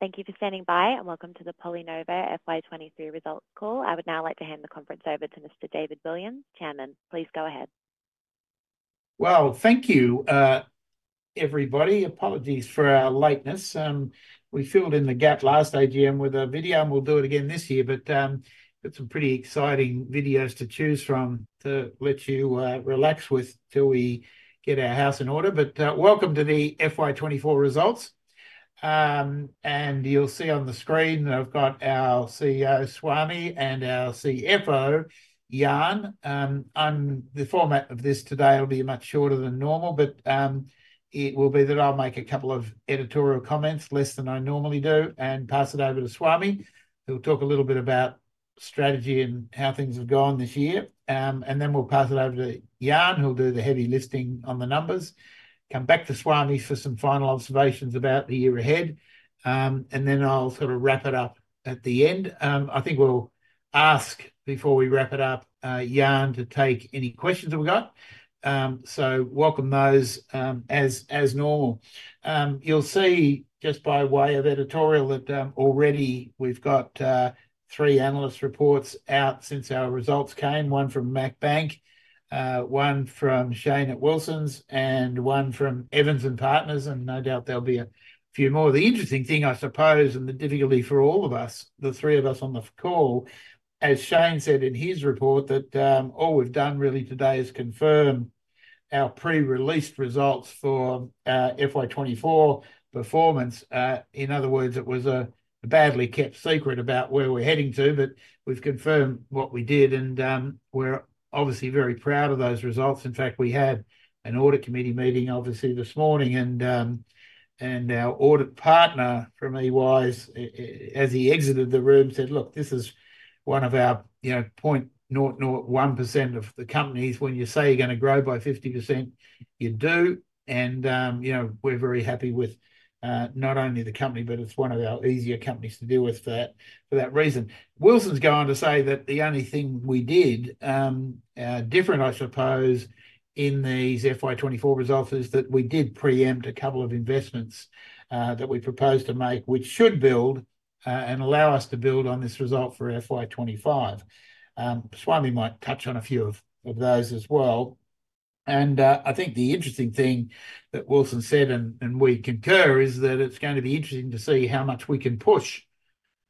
Thank you for standing by, and welcome to the PolyNovo FY23 results call. I would now like to hand the conference over to Mr. David Williams, Chairman. Please go ahead. Thank you, everybody. Apologies for our lateness. We filled in the gap last AGM with a video, and we'll do it again this year. Got some pretty exciting videos to choose from to let you relax with till we get our house in order. Welcome to the FY24 results. You'll see on the screen I've got our CEO, Swami, and our CFO, Jaan. The format of this today will be much shorter than normal, but it will be that I'll make a couple of editorial comments, less than I normally do, and pass it over to Swami, who'll talk a little bit about strategy and how things have gone this year. We'll pass it over to Jaan, who'll do the heavy lifting on the numbers. Come back to Swami for some final observations about the year ahead, and then I'll sort of wrap it up at the end. I think we'll ask, before we wrap it up, Jaan, to take any questions that we've got. Welcome those, as normal. You'll see just by way of editorial, that already we've got three analyst reports out since our results came. One from Mac Bank, one from Shane at Wilsons, and one from Evans and Partners, and no doubt there'll be a few more. The interesting thing, I suppose, and the difficulty for all of us, the three of us on the call, as Shane said in his report, that all we've done really today is confirm our pre-released results for FY24 performance. In other words, it was a badly kept secret about where we're heading to, but we've confirmed what we did, and we're obviously very proud of those results. In fact, we had an audit committee meeting, obviously, this morning, and and our audit partner from EY, as he exited the room, said, "Look, this is one of our, you know, 0.01% of the companies. When you say you're gonna grow by 50%, you do." And, you know, we're very happy with, not only the company, but it's one of our easier companies to deal with for that, for that reason. Wilsons go on to say that the only thing we did different, I suppose, in these FY24 results is that we did preempt a couple of investments that we proposed to make, which should build and allow us to build on this result for FY25. Swami might touch on a few of those as well. I think the interesting thing that Wilsons said, and we concur, is that it's going to be interesting to see how much we can push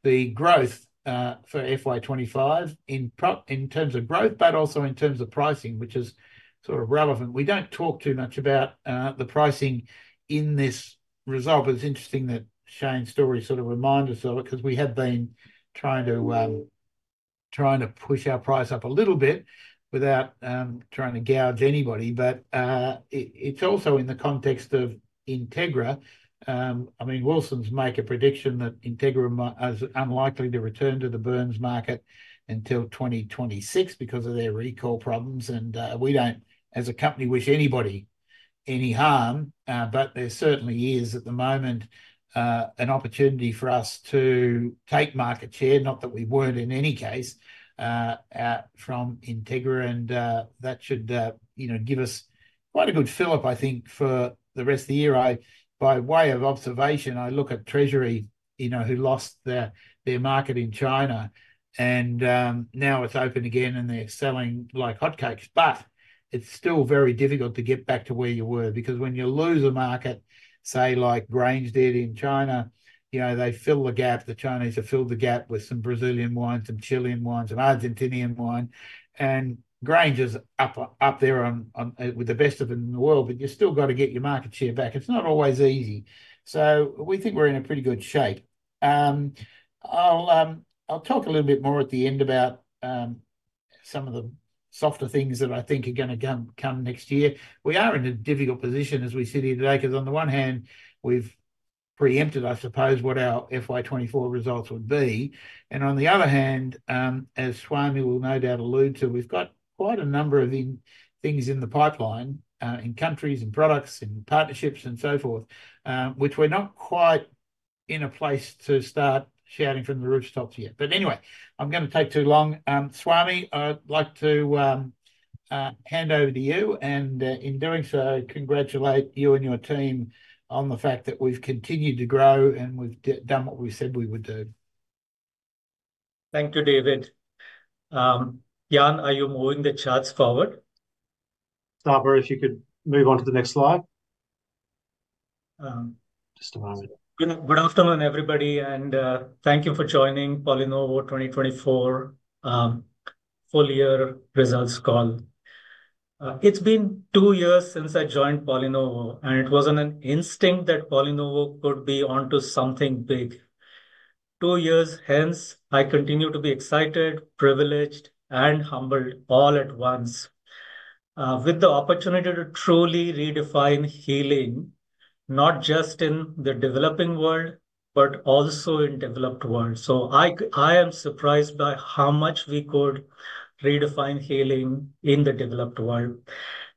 the growth for FY24 in terms of growth, but also in terms of pricing, which is sort of relevant. We don't talk too much about the pricing in this result, but it's interesting that Shane Storey sort of reminded us of it, 'cause we had been trying to push our price up a little bit without trying to gouge anybody, but it's also in the context of Integra. I mean, Wilsons make a prediction that Integra is unlikely to return to the burns market until 2026 because of their recall problems, and we don't, as a company, wish anybody any harm, but there certainly is, at the moment, an opportunity for us to take market share, not that we would in any case from Integra, and that should, you know, give us quite a good fill-up, I think, for the rest of the year. By way of observation, I look at Treasury, you know, who lost their market in China, and now it's open again, and they're selling like hotcakes. But it's still very difficult to get back to where you were, because when you lose a market, say, like Grange did in China, you know, they fill the gap. The Chinese have filled the gap with some Brazilian wine, some Chilean wine, some Argentinian wine, and Grange is up there on with the best of them in the world, but you've still got to get your market share back. It's not always easy. So we think we're in a pretty good shape. I'll talk a little bit more at the end about some of the softer things that I think are gonna come next year. We are in a difficult position as we sit here today, 'cause on the one hand, we've pre-empted, I suppose, what our FY24 results would be, and on the other hand, as Swami will no doubt allude to, we've got quite a number of things in the pipeline, in countries, in products, in partnerships, and so forth, which we're not quite in a place to start shouting from the rooftops yet. But anyway, I'm gonna take too long. Swami, I'd like to hand over to you, and in doing so, congratulate you and your team on the fact that we've continued to grow, and we've done what we said we would do. Thank you, David. Jaan, are you moving the charts forward? Barbara, if you could move on to the next slide. Just a moment. Good afternoon, everybody, and thank you for joining PolyNovo 2024 full year results call. It's been two years since I joined PolyNovo, and it wasn't an instinct that PolyNovo could be onto something big. Two years hence, I continue to be excited, privileged, and humbled all at once with the opportunity to truly redefine healing, not just in the developing world, but also in developed world. So I am surprised by how much we could redefine healing in the developed world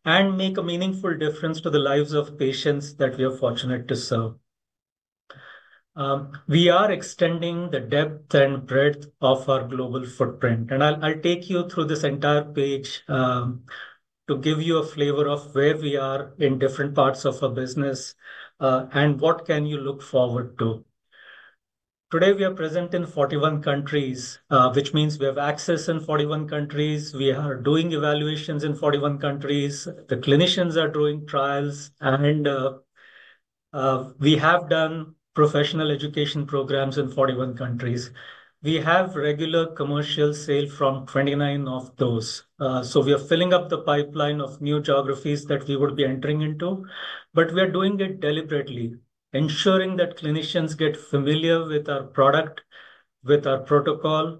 and make a meaningful difference to the lives of patients that we are fortunate to serve. We are extending the depth and breadth of our global footprint, and I'll take you through this entire page to give you a flavor of where we are in different parts of our business, and what can you look forward to. Today, we are present in 41 countries, which means we have access in 41 countries, we are doing evaluations in 41 countries, the clinicians are doing trials, and we have done professional education programs in 41 countries. We have regular commercial sale from 29 of those. So we are filling up the pipeline of new geographies that we would be entering into, but we are doing it deliberately, ensuring that clinicians get familiar with our product, with our protocol,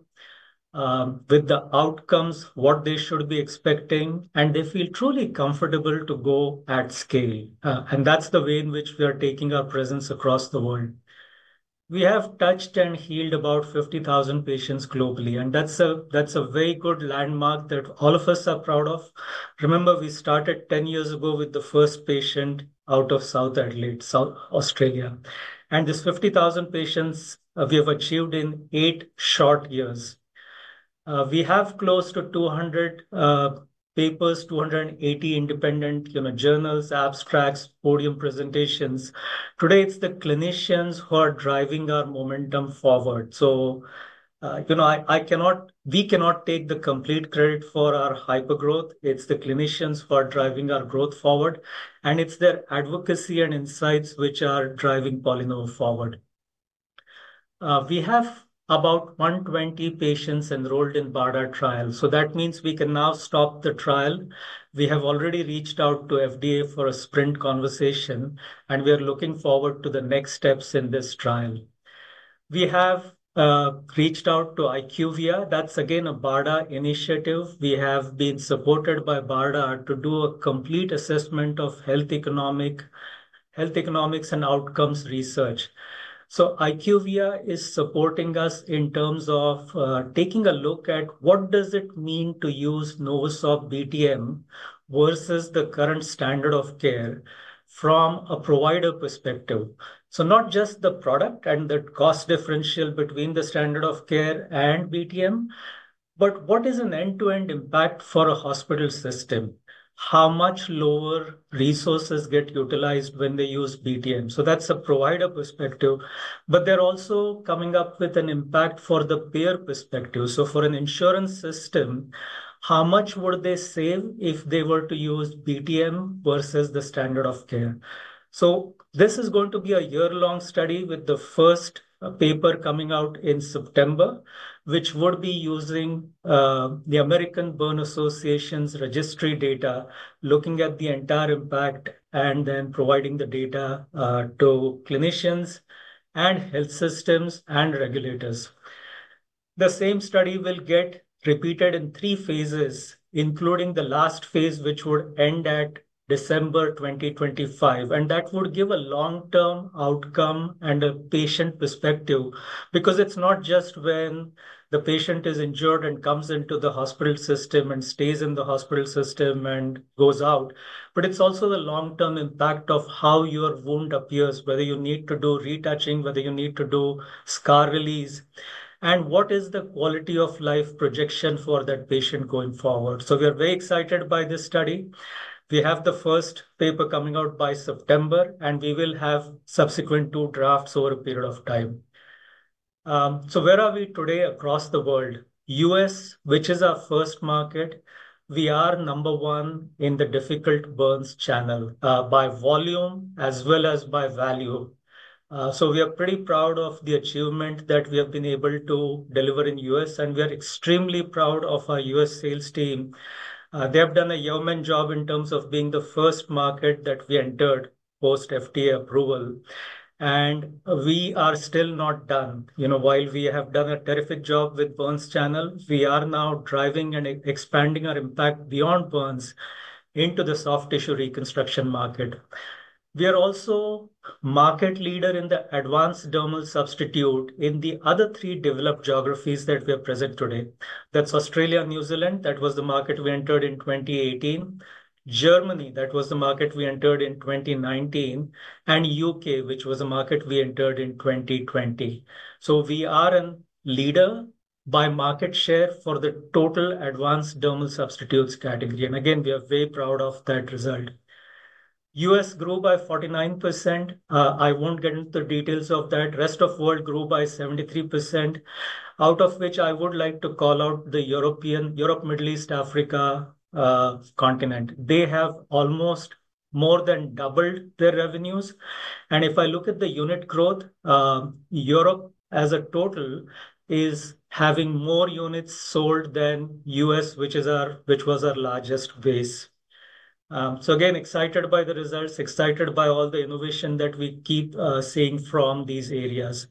with the outcomes, what they should be expecting, and they feel truly comfortable to go at scale. And that's the way in which we are taking our presence across the world. We have touched and healed about 50,000 patients globally, and that's a very good landmark that all of us are proud of. Remember, we started ten years ago with the first patient out of South Adelaide, South Australia, and this 50,000 patients we have achieved in eight short years. We have close to 200 papers, 280 independent, you know, journals, abstracts, podium presentations. Today, it's the clinicians who are driving our momentum forward, so you know, I cannot, we cannot take the complete credit for our hypergrowth. It's the clinicians who are driving our growth forward, and it's their advocacy and insights which are driving PolyNovo forward. We have about 120 patients enrolled in BARDA trial, so that means we can now stop the trial. We have already reached out to FDA for a sprint conversation, and we are looking forward to the next steps in this trial. We have reached out to IQVIA. That's again, a BARDA initiative. We have been supported by BARDA to do a complete assessment of health economics and outcomes research. IQVIA is supporting us in terms of taking a look at what does it mean to use NovoSorb BTM versus the current standard of care from a provider perspective. Not just the product and the cost differential between the standard of care and BTM, but what is an end-to-end impact for a hospital system? How much lower resources get utilized when they use BTM? That's a provider perspective, but they're also coming up with an impact for the payer perspective. For an insurance system, how much would they save if they were to use BTM versus the standard of care? So this is going to be a year-long study, with the first paper coming out in September, which would be using the American Burn Association's registry data, looking at the entire impact and then providing the data to clinicians and health systems and regulators. The same study will get repeated in three phases, including the last phase, which would end at December 2025, and that would give a long-term outcome and a patient perspective. Because it's not just when the patient is injured and comes into the hospital system and stays in the hospital system and goes out, but it's also the long-term impact of how your wound appears, whether you need to do retouching, whether you need to do scar release, and what is the quality of life projection for that patient going forward. So we are very excited by this study. We have the first paper coming out by September, and we will have subsequent two drafts over a period of time. So where are we today across the world? U.S., which is our first market, we are number one in the difficult burns channel, by volume as well as by value. So we are pretty proud of the achievement that we have been able to deliver in U.S., and we are extremely proud of our U.S. sales team. They have done a yeoman job in terms of being the first market that we entered post-FDA approval, and we are still not done. You know, while we have done a terrific job with burns channel, we are now driving and expanding our impact beyond burns into the soft tissue reconstruction market. We are also market leader in the advanced dermal substitute in the other three developed geographies that we are present today. That's Australia and New Zealand, that was the market we entered in 2018, Germany, that was the market we entered in 2019, and U.K., which was a market we entered in 2020. So we are a leader by market share for the total advanced dermal substitutes category, and again, we are very proud of that result. U.S. grew by 49%. I won't get into the details of that. Rest of world grew by 73%, out of which I would like to call out the European... Europe, Middle East, Africa continent. They have almost more than doubled their revenues, and if I look at the unit growth, Europe as a total is having more units sold than U.S., which was our largest base. So again, excited by the results, excited by all the innovation that we keep seeing from these areas.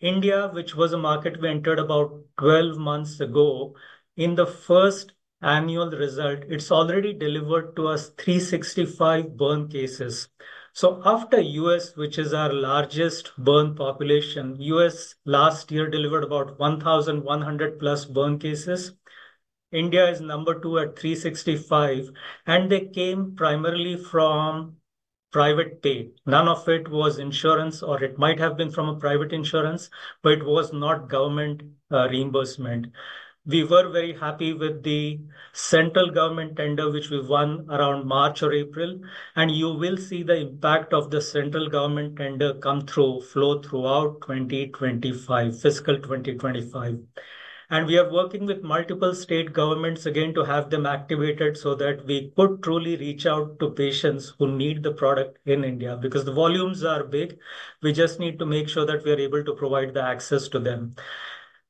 India, which was a market we entered about twelve months ago, in the first annual result, it's already delivered to us 365 burn cases. So after U.S., which is our largest burn population, U.S. last year delivered about 1,100 plus burn cases. India is number two at 365, and they came primarily from private pay. None of it was insurance, or it might have been from a private insurance, but it was not government reimbursement. We were very happy with the central government tender, which we won around March or April, and you will see the impact of the central government tender come through, flow throughout 2025, fiscal 2025, and we are working with multiple state governments again to have them activated so that we could truly reach out to patients who need the product in India. Because the volumes are big, we just need to make sure that we are able to provide the access to them.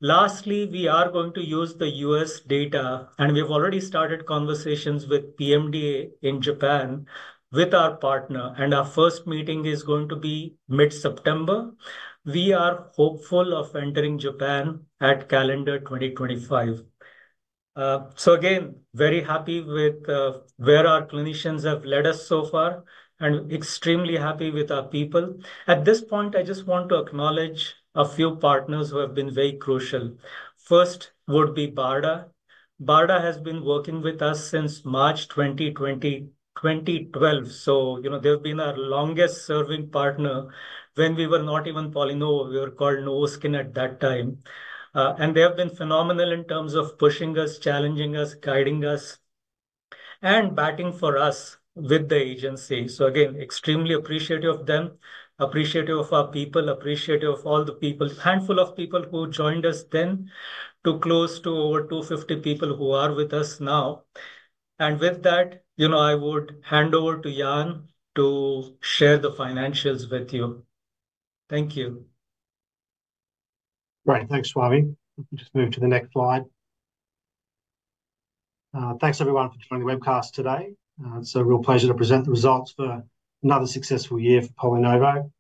Lastly, we are going to use the U.S. data, and we've already started conversations with PMDA in Japan with our partner, and our first meeting is going to be mid-September. We are hopeful of entering Japan at calendar 2025, so again, very happy with where our clinicians have led us so far and extremely happy with our people. At this point, I just want to acknowledge a few partners who have been very crucial. First, would be BARDA. BARDA has been working with us since March twenty twelve, so, you know, they've been our longest-serving partner when we were not even PolyNovo, we were called NovoSkin at that time. And they have been phenomenal in terms of pushing us, challenging us, guiding us, and batting for us with the agency. So again, extremely appreciative of them, appreciative of our people, appreciative of all the people, handful of people who joined us then, to close to over 250 people who are with us now. With that, you know, I would hand over to Jan to share the financials with you. Thank you. Great. Thanks, Swami. Just move to the next slide. Thanks, everyone, for joining the webcast today. It's a real pleasure to present the results for another successful year for PolyNovo.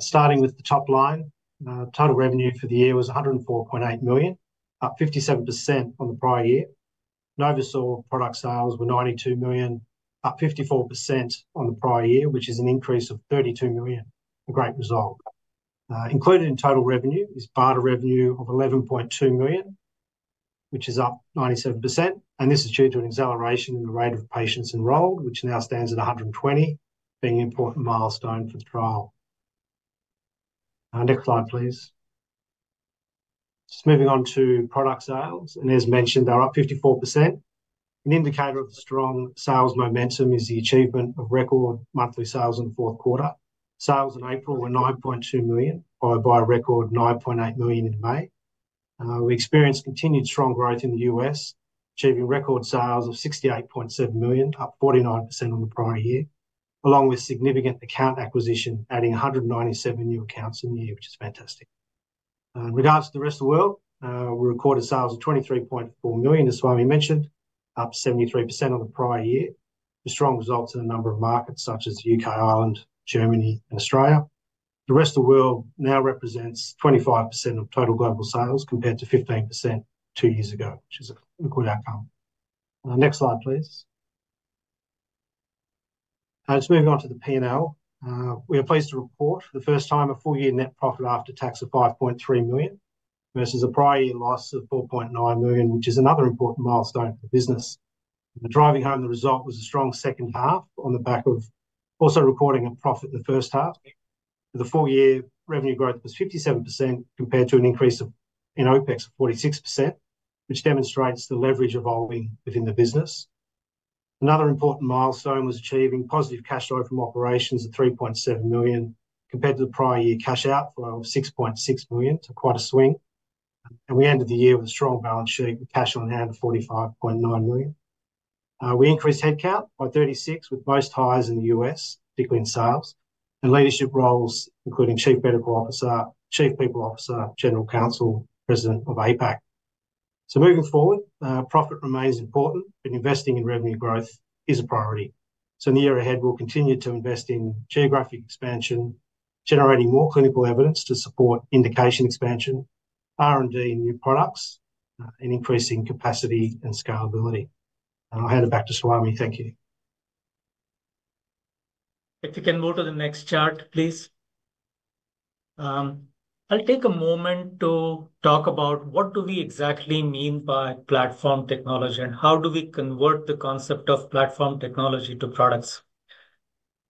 Starting with the top line, total revenue for the year was 104.8 million, up 57% on the prior year. NovoSorb product sales were 92 million, up 54% on the prior year, which is an increase of 32 million. A great result. Included in total revenue is BARDA revenue of 11.2 million, which is up 97%, and this is due to an acceleration in the rate of patients enrolled, which now stands at 120, being an important milestone for the trial. Next slide, please. Just moving on to product sales, and as mentioned, they're up 54%. An indicator of the strong sales momentum is the achievement of record monthly sales in the fourth quarter. Sales in April were 9.2 million, followed by a record 9.8 million in May. We experienced continued strong growth in the U.S., achieving record sales of 68.7 million, up 49% on the prior year, along with significant account acquisition, adding 197 new accounts in the year, which is fantastic. In regards to the rest of the world, we recorded sales of 23.4 million, as Swami mentioned, up 73% on the prior year. The strong results in a number of markets such as U.K., Ireland, Germany, and Australia. The rest of the world now represents 25% of total global sales, compared to 15% two years ago, which is a good outcome. Next slide, please. Just moving on to the P&L. We are pleased to report for the first time a full year net profit after tax of 5.3 million, versus a prior year loss of 4.9 million, which is another important milestone for business. Driving home, the result was a strong second half on the back of also recording a profit the first half. The full year revenue growth was 57%, compared to an increase of in OpEx of 46%, which demonstrates the leverage evolving within the business. Another important milestone was achieving positive cash flow from operations of 3.7 million, compared to the prior year cash outflow of 6.6 million, so quite a swing. We ended the year with a strong balance sheet, with cash on hand of 45.9 million. We increased headcount by 36, with most hires in the U.S., particularly in sales, and leadership roles, including Chief Medical Officer, Chief People Officer, General Counsel, President of APAC, so moving forward, profit remains important, but investing in revenue growth is a priority, so in the year ahead, we'll continue to invest in geographic expansion, generating more clinical evidence to support indication expansion, R&D, new products, and increasing capacity and scalability, and I'll hand it back to Swami. Thank you. If you can go to the next chart, please. I'll take a moment to talk about what do we exactly mean by platform technology, and how do we convert the concept of platform technology to products.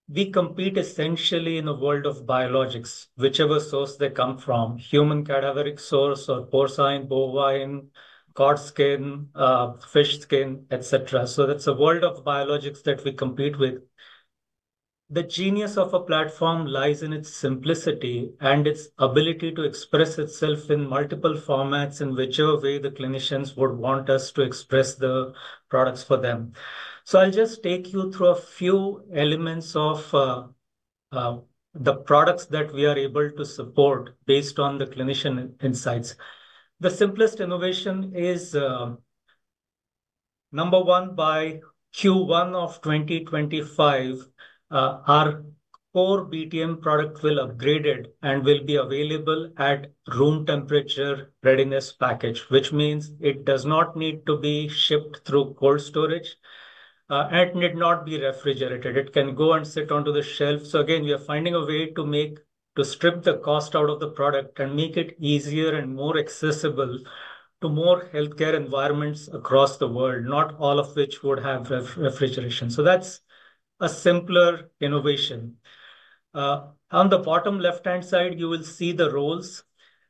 We compete essentially in a world of biologics, whichever source they come from, human cadaveric source or porcine, bovine, cord skin, fish skin, et cetera. So that's a world of biologics that we compete with. The genius of a platform lies in its simplicity and its ability to express itself in multiple formats, in whichever way the clinicians would want us to express the products for them. So I'll just take you through a few elements of the products that we are able to support based on the clinician insights. The simplest innovation is, number one, by Q1 of 2025, our core BTM product will be upgraded and will be available at room temperature readiness package, which means it does not need to be shipped through cold storage, and need not be refrigerated. It can go and sit on the shelf. So again, we are finding a way to make to strip the cost out of the product and make it easier and more accessible to more healthcare environments across the world, not all of which would have refrigeration. So that's a simpler innovation. On the bottom left-hand side, you will see the rolls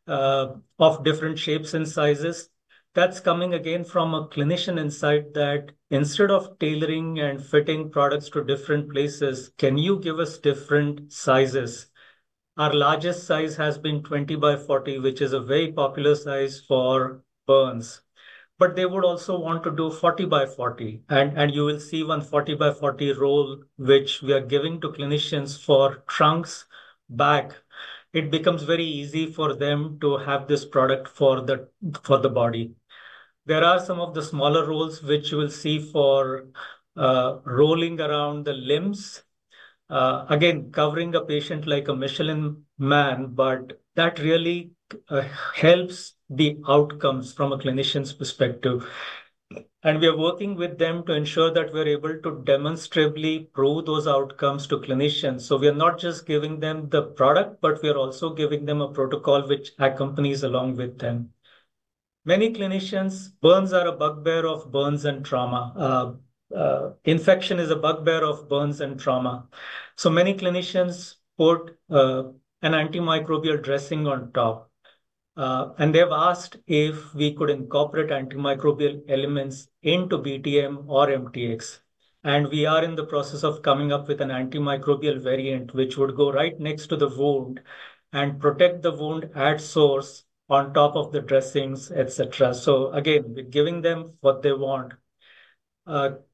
of different shapes and sizes. That's coming, again, from a clinician insight that instead of tailoring and fitting products to different places, can you give us different sizes? Our largest size has been twenty by forty, which is a very popular size for burns, but they would also want to do forty by forty, and you will see one forty by forty roll, which we are giving to clinicians for trunks, back. It becomes very easy for them to have this product for the body. There are some of the smaller rolls, which you will see for rolling around the limbs. Again, covering a patient like a Michelin Man, but that really helps the outcomes from a clinician's perspective. We are working with them to ensure that we're able to demonstrably prove those outcomes to clinicians. We are not just giving them the product, but we are also giving them a protocol which accompanies along with them. Many clinicians, burns are a bugbear of burns and trauma. Infection is a bugbear of burns and trauma, so many clinicians put an antimicrobial dressing on top, and they've asked if we could incorporate antimicrobial elements into BTM or MTX, and we are in the process of coming up with an antimicrobial variant, which would go right next to the wound and protect the wound at source on top of the dressings, et cetera, so again, we're giving them what they want.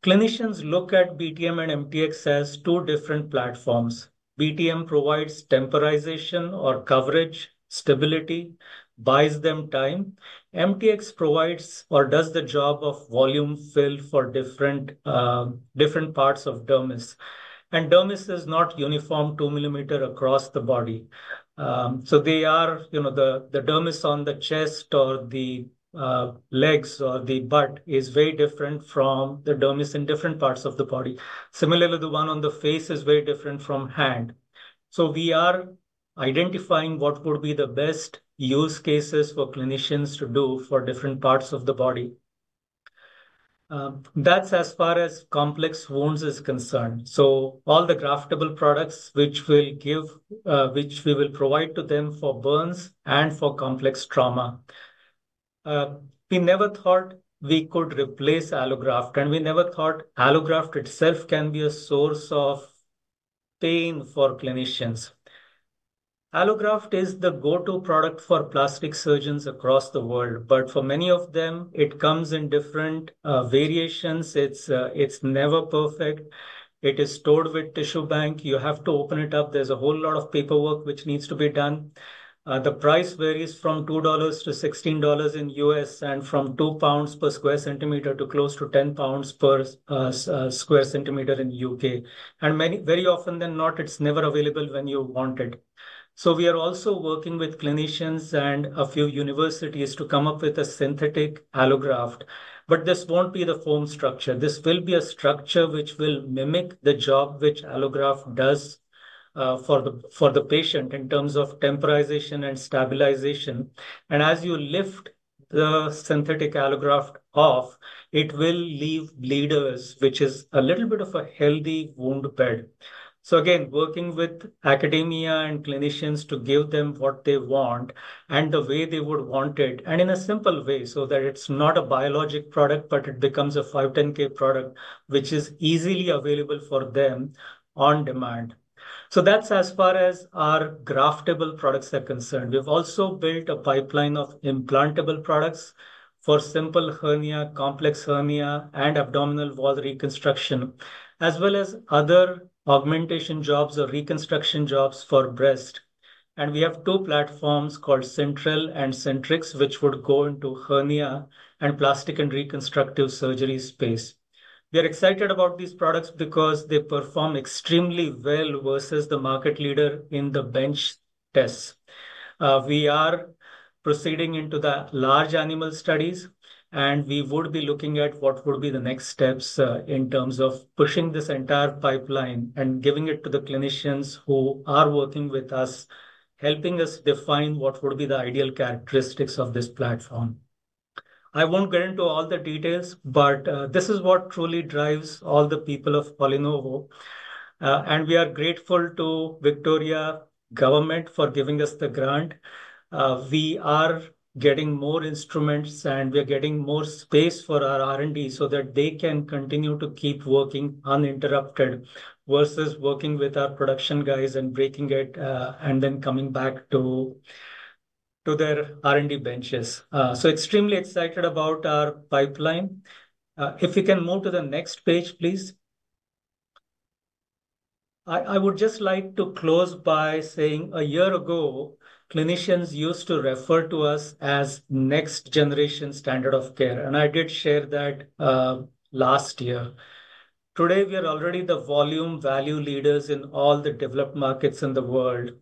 Clinicians look at BTM and MTX as two different platforms. BTM provides temporization or coverage, stability, buys them time. MTX provides or does the job of volume fill for different parts of dermis, and dermis is not uniform two millimeter across the body. So they are, you know, the dermis on the chest or the legs or the butt is very different from the dermis in different parts of the body. Similarly, the one on the face is very different from hand. So we are identifying what would be the best use cases for clinicians to do for different parts of the body. That's as far as complex wounds is concerned. So all the graftable products, which we give, which we will provide to them for burns and for complex trauma. We never thought we could replace allograft, and we never thought allograft itself can be a source of pain for clinicians. Allograft is the go-to product for plastic surgeons across the world, but for many of them, it comes in different variations. It's never perfect. It is stored with tissue bank. You have to open it up. There's a whole lot of paperwork which needs to be done. The price varies from $2 to $16 in the U.S., and from 2 pounds per sq cm to close to 10 pounds per sq cm in the U.K. And more often than not, it's never available when you want it. So we are also working with clinicians and a few universities to come up with a synthetic allograft, but this won't be the foam structure. This will be a structure which will mimic the job which allograft does, for the patient in terms of temporization and stabilization. And as you lift the synthetic allograft off, it will leave bleeders, which is a little bit of a healthy wound bed. So again, working with academia and clinicians to give them what they want, and the way they would want it, and in a simple way, so that it's not a biologic product, but it becomes a 510(k) product, which is easily available for them on demand. So that's as far as our graftable products are concerned. We've also built a pipeline of implantable products for simple hernia, complex hernia, and abdominal wall reconstruction, as well as other augmentation jobs or reconstruction jobs for breast. And we have two platforms called SENTREL and SENTRIX, which would go into hernia and plastic and reconstructive surgery space. We are excited about these products because they perform extremely well versus the market leader in the bench tests. We are proceeding into the large animal studies, and we would be looking at what would be the next steps in terms of pushing this entire pipeline and giving it to the clinicians who are working with us, helping us define what would be the ideal characteristics of this platform. I won't get into all the details, but this is what truly drives all the people of PolyNovo, and we are grateful to the Victorian Government for giving us the grant. We are getting more instruments, and we are getting more space for our R&D so that they can continue to keep working uninterrupted, versus working with our production guys and breaking it, and then coming back to their R&D benches, so extremely excited about our pipeline. If we can move to the next page, please. I would just like to close by saying, a year ago, clinicians used to refer to us as next generation standard of care, and I did share that last year. Today, we are already the volume value leaders in all the developed markets in the world.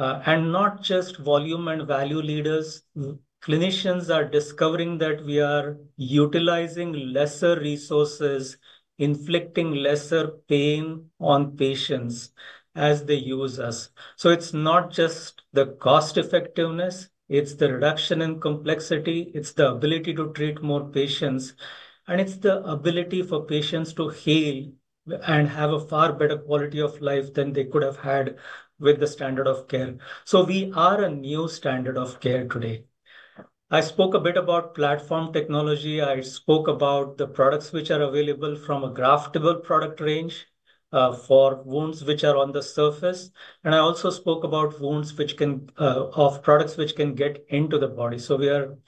And not just volume and value leaders, clinicians are discovering that we are utilizing lesser resources, inflicting lesser pain on patients as they use us. So it's not just the cost effectiveness, it's the reduction in complexity, it's the ability to treat more patients, and it's the ability for patients to heal and have a far better quality of life than they could have had with the standard of care. So we are a new standard of care today. I spoke a bit about platform technology. I spoke about the products which are available from a graftable product range for wounds which are on the surface, and I also spoke about products which can get into the body. So we are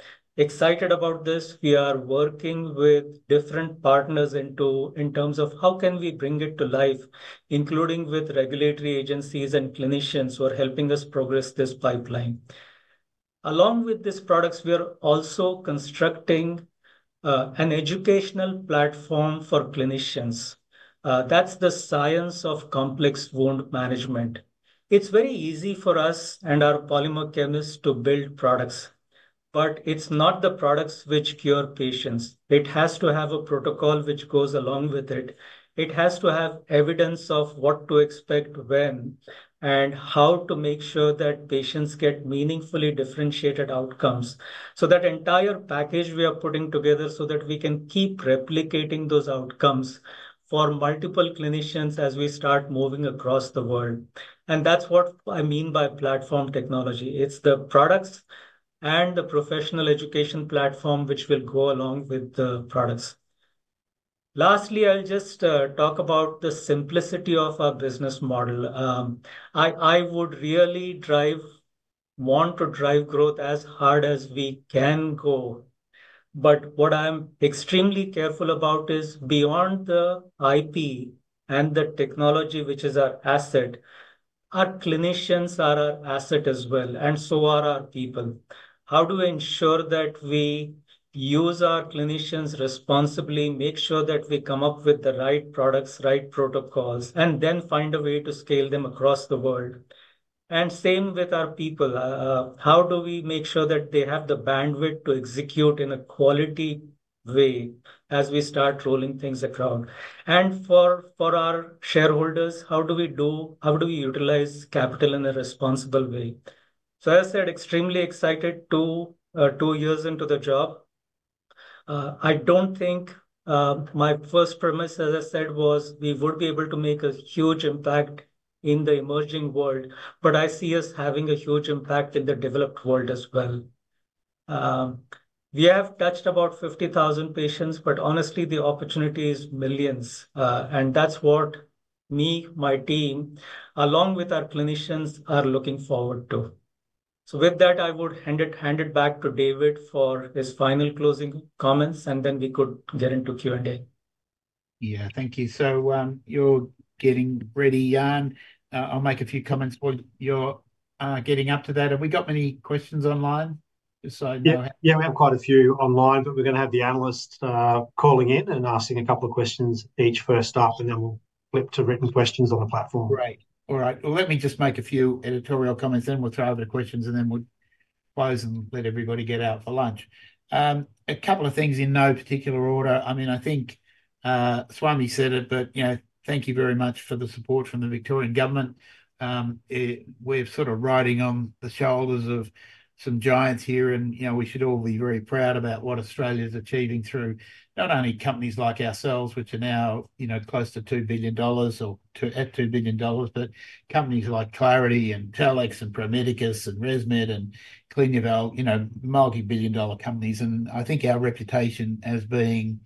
excited about this. We are working with different partners in terms of how can we bring it to life, including with regulatory agencies and clinicians who are helping us progress this pipeline. Along with these products, we are also constructing an educational platform for clinicians. That's the science of complex wound management. It's very easy for us and our polymer chemists to build products, but it's not the products which cure patients. It has to have a protocol which goes along with it. It has to have evidence of what to expect when, and how to make sure that patients get meaningfully differentiated outcomes. So that entire package we are putting together so that we can keep replicating those outcomes for multiple clinicians as we start moving across the world, and that's what I mean by platform technology. It's the products and the professional education platform which will go along with the products. Lastly, I'll just talk about the simplicity of our business model. I would really want to drive growth as hard as we can go, but what I'm extremely careful about is, beyond the IP and the technology, which is our asset, our clinicians are our asset as well, and so are our people. How do we ensure that we use our clinicians responsibly, make sure that we come up with the right products, right protocols, and then find a way to scale them across the world, and same with our people? How do we make sure that they have the bandwidth to execute in a quality way as we start rolling things around? And for our shareholders, how do we utilize capital in a responsible way? As I said, extremely excited two years into the job. I don't think. My first premise, as I said, was we would be able to make a huge impact in the emerging world, but I see us having a huge impact in the developed world as well. We have touched about 50,000 patients, but honestly, the opportunity is millions. And that's what me, my team, along with our clinicians, are looking forward to. With that, I would hand it back to David for his final closing comments, and then we could get into Q&A. Yeah. Thank you. So, you're getting ready, Jan. I'll make a few comments while you're getting up to that. Have we got many questions online? Just so I know. Yeah, yeah, we have quite a few online, but we're going to have the analyst calling in and asking a couple of questions each first up, and then we'll flip to written questions on the platform. Great. All right. Well, let me just make a few editorial comments, then we'll throw the questions, and then we'll close and let everybody get out for lunch. A couple of things in no particular order. I mean, I think, Swami said it, but, you know, thank you very much for the support from the Victorian Government. We're sort of riding on the shoulders of some giants here, and, you know, we should all be very proud about what Australia's achieving through not only companies like ourselves, which are now, you know, close to 2 billion dollars or to- at 2 billion dollars, but companies like Clarity, and Telix, and Pro Medicus, and ResMed, and Clinuvel, you know, multi-billion dollar companies. And I think our reputation as being,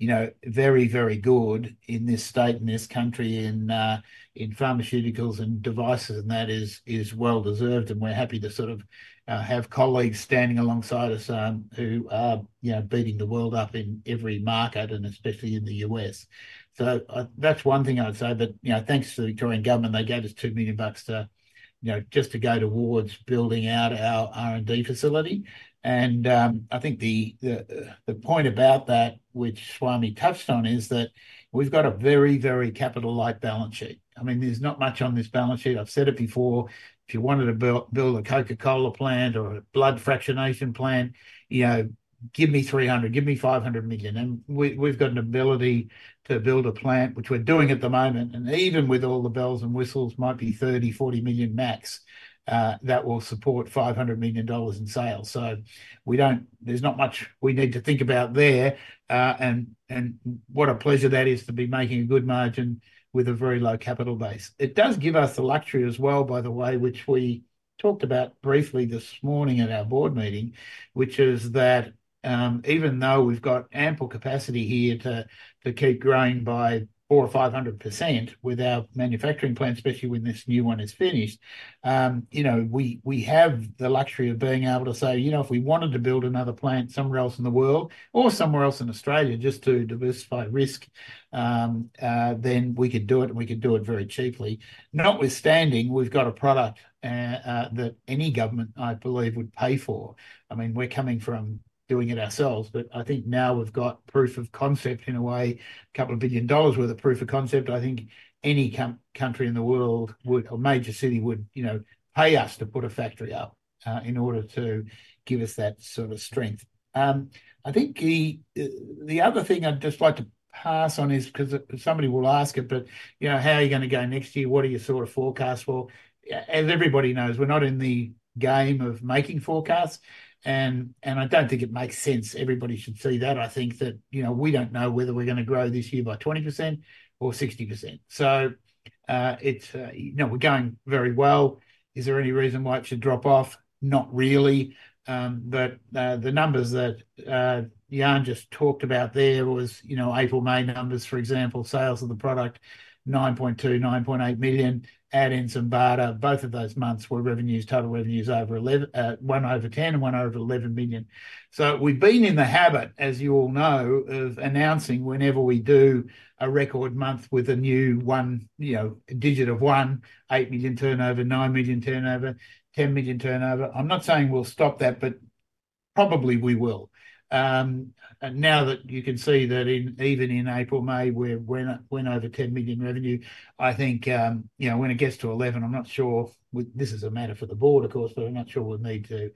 you know, very, very good in this state, and this country, in pharmaceuticals and devices, and that is well deserved, and we're happy to sort of have colleagues standing alongside us, who are, you know, beating the world up in every market, and especially in the U.S. So, that's one thing I would say, that, you know, thanks to the Victorian Government, they gave us 2 million bucks to, you know, just to go towards building out our R&D facility. I think the point about that, which Swami touched on, is that we've got a very, very capital light balance sheet. I mean, there's not much on this balance sheet. I've said it before, if you wanted to build a Coca-Cola plant or a blood fractionation plant, you know, give me 300 million, give me 500 million, and we've got an ability to build a plant, which we're doing at the moment, and even with all the bells and whistles, might be 30-40 million max, that will support 500 million dollars in sales. So we don't, there's not much we need to think about there, and what a pleasure that is, to be making a good margin with a very low capital base. It does give us the luxury as well, by the way, which we talked about briefly this morning at our board meeting, which is that, even though we've got ample capacity here to keep growing by 400% or 500% with our manufacturing plant, especially when this new one is finished, you know, we have the luxury of being able to say, "You know, if we wanted to build another plant somewhere else in the world or somewhere else in Australia just to diversify risk, then we could do it, and we could do it very cheaply." Notwithstanding, we've got a product that any government, I believe, would pay for. I mean, we're coming from doing it ourselves, but I think now we've got proof of concept, in a way, a couple of billion AUD worth of proof of concept. I think any country in the world would or major city would, you know, pay us to put a factory up, in order to give us that sort of strength. I think the other thing I'd just like to pass on is, 'cause somebody will ask it, but, you know, "How are you gonna go next year? What are your sort of forecasts for?" As everybody knows, we're not in the game of making forecasts, and I don't think it makes sense. Everybody should see that. I think that, you know, we don't know whether we're gonna grow this year by 20% or 60%. So, it's, you know, we're going very well. Is there any reason why it should drop off? Not really. But the numbers that Jan just talked about there was, you know, April, May numbers, for example, sales of the product, 9.2 million, 9.8 million, add in some BARDA, both of those months were revenues, total revenues over 11 million, one over 10 million and one over 11 million. So we've been in the habit, as you all know, of announcing whenever we do a record month with a new one, you know, a digit of one, eight million turnover, nine million turnover, 10 million turnover. I'm not saying we'll stop that, but probably we will. And now that you can see that even in April, May, we went over 10 million revenue, I think, you know, when it gets to 11, I'm not sure this is a matter for the board, of course, but I'm not sure we need to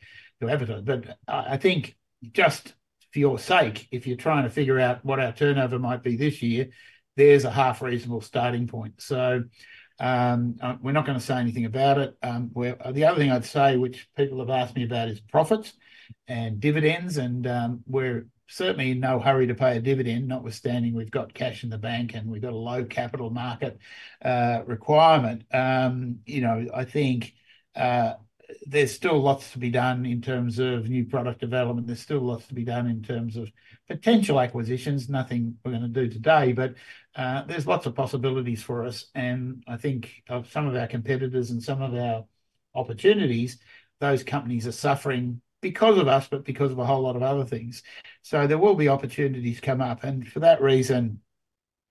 advertise. But I think just for your sake, if you're trying to figure out what our turnover might be this year, there's a half reasonable starting point. So, we're not gonna say anything about it. Well, the other thing I'd say, which people have asked me about, is profits and dividends and, we're certainly in no hurry to pay a dividend, notwithstanding we've got cash in the bank and we've got a low capital market requirement. You know, I think, there's still lots to be done in terms of new product development. There's still lots to be done in terms of potential acquisitions. Nothing we're gonna do today, but there's lots of possibilities for us, and I think of some of our competitors and some of our opportunities. Those companies are suffering because of us, but because of a whole lot of other things. So there will be opportunities come up, and for that reason,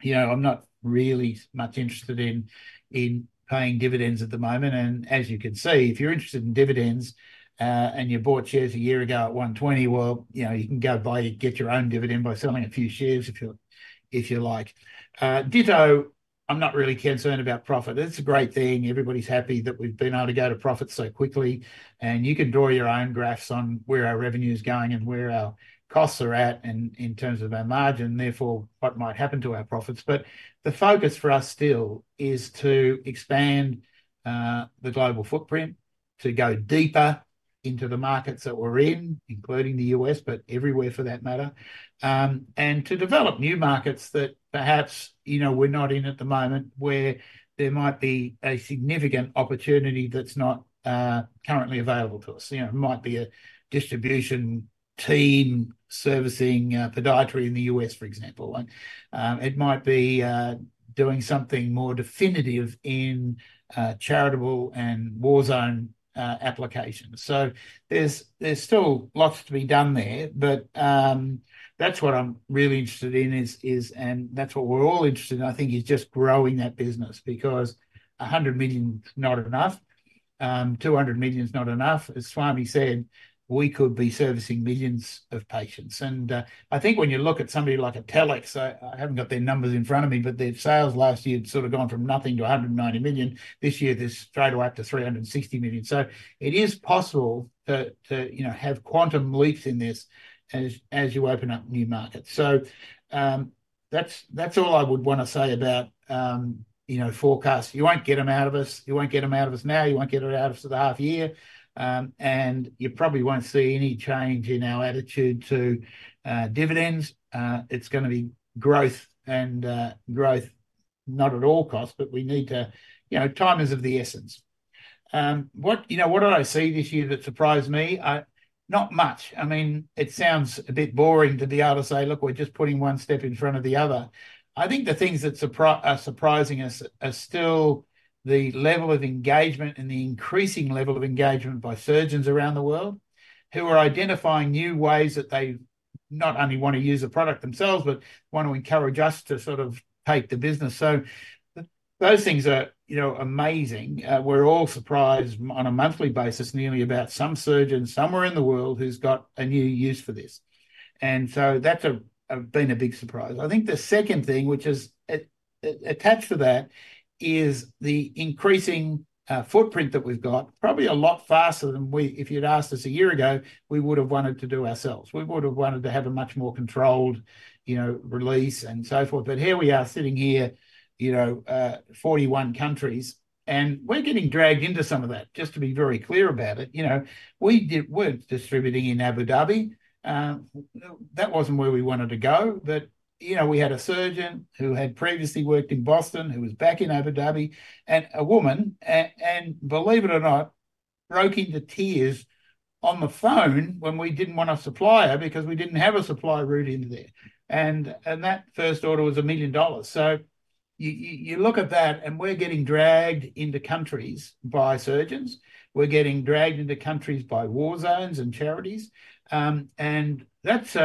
you know, I'm not really much interested in paying dividends at the moment. And as you can see, if you're interested in dividends and you bought shares a year ago at 120, well, you know, you can get your own dividend by selling a few shares if you like. Ditto, I'm not really concerned about profit. It's a great thing, everybody's happy that we've been able to go to profit so quickly, and you can draw your own graphs on where our revenue is going and where our costs are at in terms of our margin, therefore, what might happen to our profits. But the focus for us still is to expand the global footprint, to go deeper into the markets that we're in, including the U.S., but everywhere for that matter, and to develop new markets that perhaps, you know, we're not in at the moment, where there might be a significant opportunity that's not currently available to us. You know, it might be a distribution team servicing podiatry in the U.S., for example. It might be doing something more definitive in charitable and war zone applications. So there's still lots to be done there, but that's what I'm really interested in is and that's what we're all interested in, I think, is just growing that business, because 100 million is not enough, 200 million is not enough. As Swami said, we could be servicing millions of patients. And I think when you look at somebody like Telix, I haven't got their numbers in front of me, but their sales last year had sort of gone from nothing to $190 million. This year, they're straight away up to $360 million. So it is possible to you know have quantum leaps in this as you open up new markets. So that's all I would want to say about you know forecasts. You won't get them out of us, you won't get them out of us now, you won't get it out of us for the half year, and you probably won't see any change in our attitude to dividends. It's gonna be growth and growth, not at all costs, but we need to. You know, time is of the essence. You know, what did I see this year that surprised me? Not much. I mean, it sounds a bit boring to be able to say, "Look, we're just putting one step in front of the other." I think the things that are surprising us are still the level of engagement and the increasing level of engagement by surgeons around the world, who are identifying new ways that they not only wanna use the product themselves, but want to encourage us to sort of take the business. So those things are, you know, amazing. We're all surprised on a monthly basis, nearly, about some surgeon somewhere in the world who's got a new use for this, and so that's been a big surprise. I think the second thing, which is attached to that, is the increasing footprint that we've got, probably a lot faster than if you'd asked us a year ago, we would have wanted to do ourselves. We would have wanted to have a much more controlled, you know, release and so forth. But here we are sitting here, you know, 41 countries, and we're getting dragged into some of that, just to be very clear about it. You know, we're distributing in Abu Dhabi. That wasn't where we wanted to go, but, you know, we had a surgeon who had previously worked in Boston, who was back in Abu Dhabi, and a woman, and believe it or not, broke into tears on the phone when we didn't want to supply her because we didn't have a supply route into there. That first order was $1 million, so you look at that, and we're getting dragged into countries by surgeons, we're getting dragged into countries by war zones and charities. And that's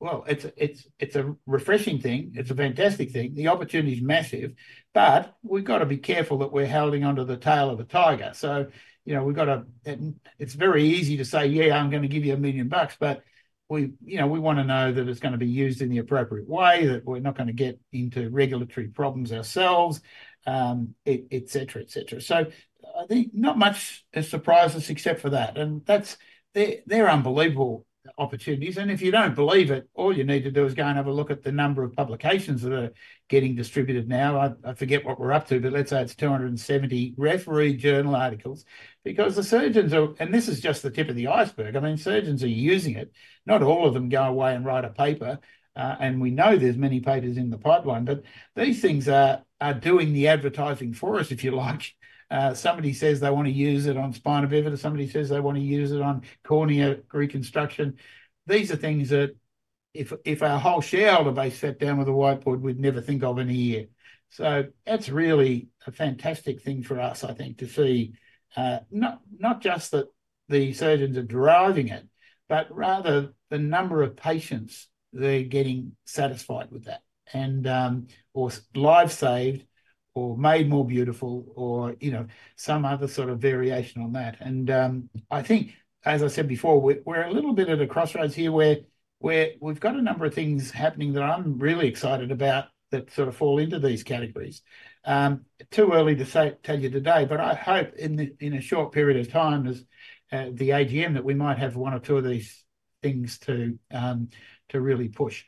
well, it's a refreshing thing, it's a fantastic thing. The opportunity is massive, but we've got to be careful that we're holding onto the tail of a tiger. So you know, and it's very easy to say, "Yeah, I'm going to give you a million bucks," but we you know, we want to know that it's going to be used in the appropriate way, that we're not going to get into regulatory problems ourselves, et cetera, et cetera. So I think not much has surprised us except for that, and that's they're unbelievable opportunities. And if you don't believe it, all you need to do is go and have a look at the number of publications that are getting distributed now. I forget what we're up to, but let's say it's two hundred and seventy refereed journal articles. Because the surgeons are and this is just the tip of the iceberg, I mean, surgeons are using it. Not all of them go away and write a paper, and we know there's many papers in the pipeline, but these things are doing the advertising for us, if you like. Somebody says they want to use it on spina bifida, somebody says they want to use it on cornea reconstruction. These are things that if our whole shareholder base sat down with a whiteboard, we'd never think of in a year. So that's really a fantastic thing for us, I think, to see, not just that the surgeons are deriving it, but rather the number of patients they're getting satisfied with that, and or lives saved or made more beautiful or, you know, some other sort of variation on that. I think, as I said before, we're a little bit at a crossroads here where we've got a number of things happening that I'm really excited about that sort of fall into these categories. Too early to tell you today, but I hope in a short period of time, as the AGM, that we might have one or two of these things to really push.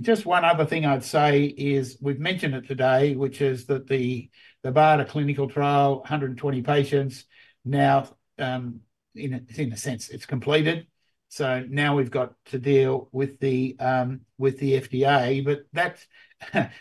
Just one other thing I'd say is, we've mentioned it today, which is that the BARDA clinical trial, a hundred and twenty patients, now, in a sense, it's completed. So now we've got to deal with the FDA, but that's.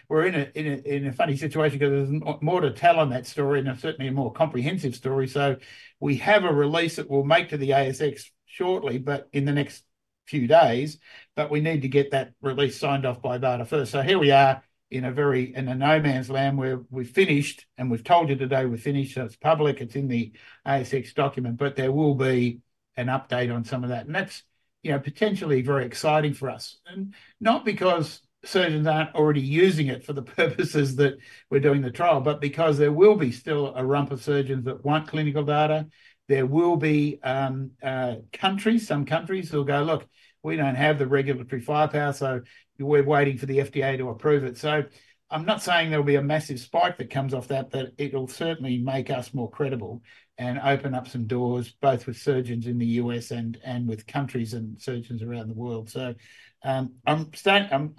We're in a funny situation because there's more to tell on that story, and certainly a more comprehensive story. So we have a release that we'll make to the ASX shortly, but in the next few days, but we need to get that release signed off by BARDA first. So here we are, in a no man's land, where we've finished, and we've told you today we're finished, so it's public, it's in the ASX document, but there will be an update on some of that. That's, you know, potentially very exciting for us. And not because surgeons aren't already using it for the purposes that we're doing the trial, but because there will be still a rump of surgeons that want clinical data. There will be countries, some countries who will go, "Look, we don't have the regulatory firepower, so we're waiting for the FDA to approve it." So I'm not saying there will be a massive spike that comes off that, but it'll certainly make us more credible and open up some doors, both with surgeons in the U.S. and with countries and surgeons around the world. So I'm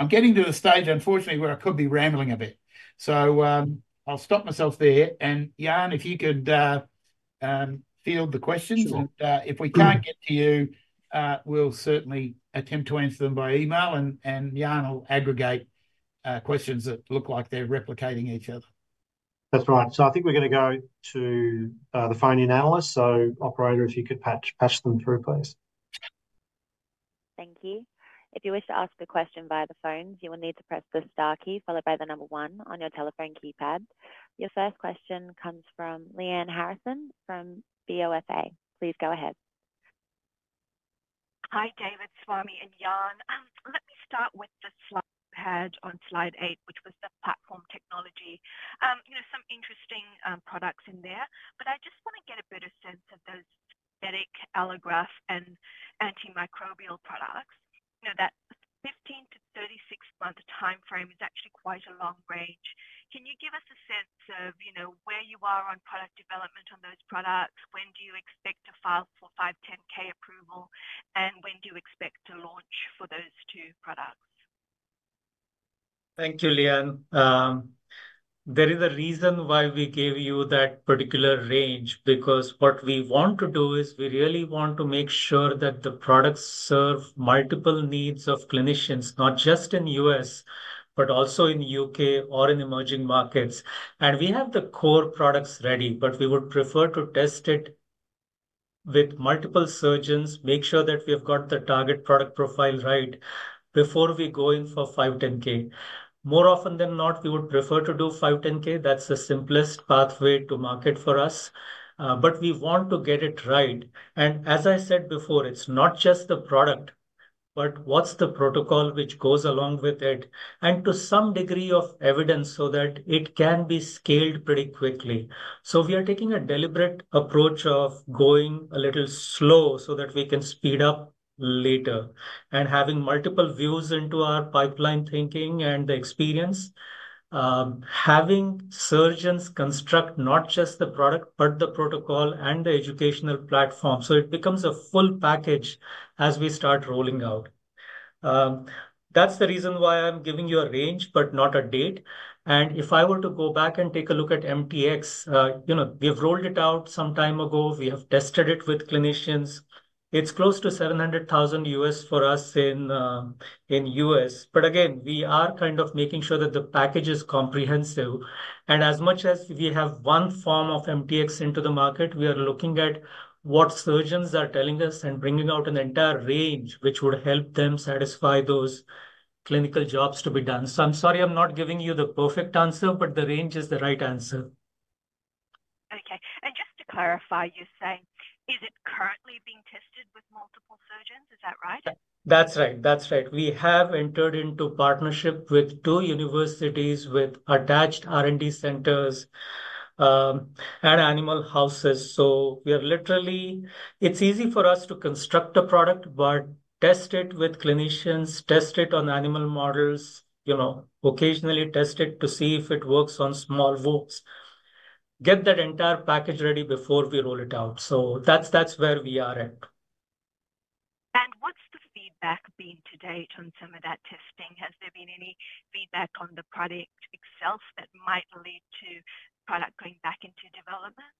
getting to a stage, unfortunately, where I could be rambling a bit. So I'll stop myself there. And, Jaan, if you could field the questions. Sure. If we can't get to you, we'll certainly attempt to answer them by email, and Jan will aggregate questions that look like they're replicating each other. That's right. So I think we're going to go to the phone-in analyst. So operator, if you could patch them through, please. Thank you. If you wish to ask a question via the phone, you will need to press the star key followed by the number one on your telephone keypad. Your first question comes from Lyanne Harrison from BofA. Please go ahead. Hi, David, Swami, and Jaan. Let me start with the slide you had on slide eight, which was the platform technology. You know, some interesting products in there, but I just want to get a better sense of those synthetic allograft and antimicrobial products. You know, that 15- to 36-month timeframe is actually quite a long range. Can you give us a sense of, you know, where you are on product development on those products? When do you expect to file for 510(k) approval, and when do you expect to launch for those two products? Thank you, Leanne. There is a reason why we gave you that particular range, because what we want to do is, we really want to make sure that the products serve multiple needs of clinicians, not just in the U.S., but also in the U.K. or in emerging markets. And we have the core products ready, but we would prefer to test it with multiple surgeons, make sure that we have got the target product profile right before we go in for 510(k). More often than not, we would prefer to do 510(k). That's the simplest pathway to market for us, but we want to get it right. And as I said before, it's not just the product, but what's the protocol which goes along with it, and to some degree of evidence so that it can be scaled pretty quickly. So we are taking a deliberate approach of going a little slow so that we can speed up later. And having multiple views into our pipeline thinking and the experience, having surgeons construct not just the product, but the protocol and the educational platform, so it becomes a full package as we start rolling out. That's the reason why I'm giving you a range, but not a date. And if I were to go back and take a look at MTX, you know, we've rolled it out some time ago. We have tested it with clinicians. It's close to $700,000 for us in the U.S. But again, we are kind of making sure that the package is comprehensive, and as much as we have one form of MTX into the market, we are looking at what surgeons are telling us and bringing out an entire range which would help them satisfy those clinical jobs to be done. So I'm sorry I'm not giving you the perfect answer, but the range is the right answer. verify you say, is it currently being tested with multiple surgeons? Is that right? That's right. That's right. We have entered into partnership with two universities with attached R&D centers and animal houses. So we are literally. It's easy for us to construct a product, but test it with clinicians, test it on animal models, you know, occasionally test it to see if it works on small wounds, get that entire package ready before we roll it out. So that's where we are at. What's the feedback been to date on some of that testing? Has there been any feedback on the product itself that might lead to product going back into development?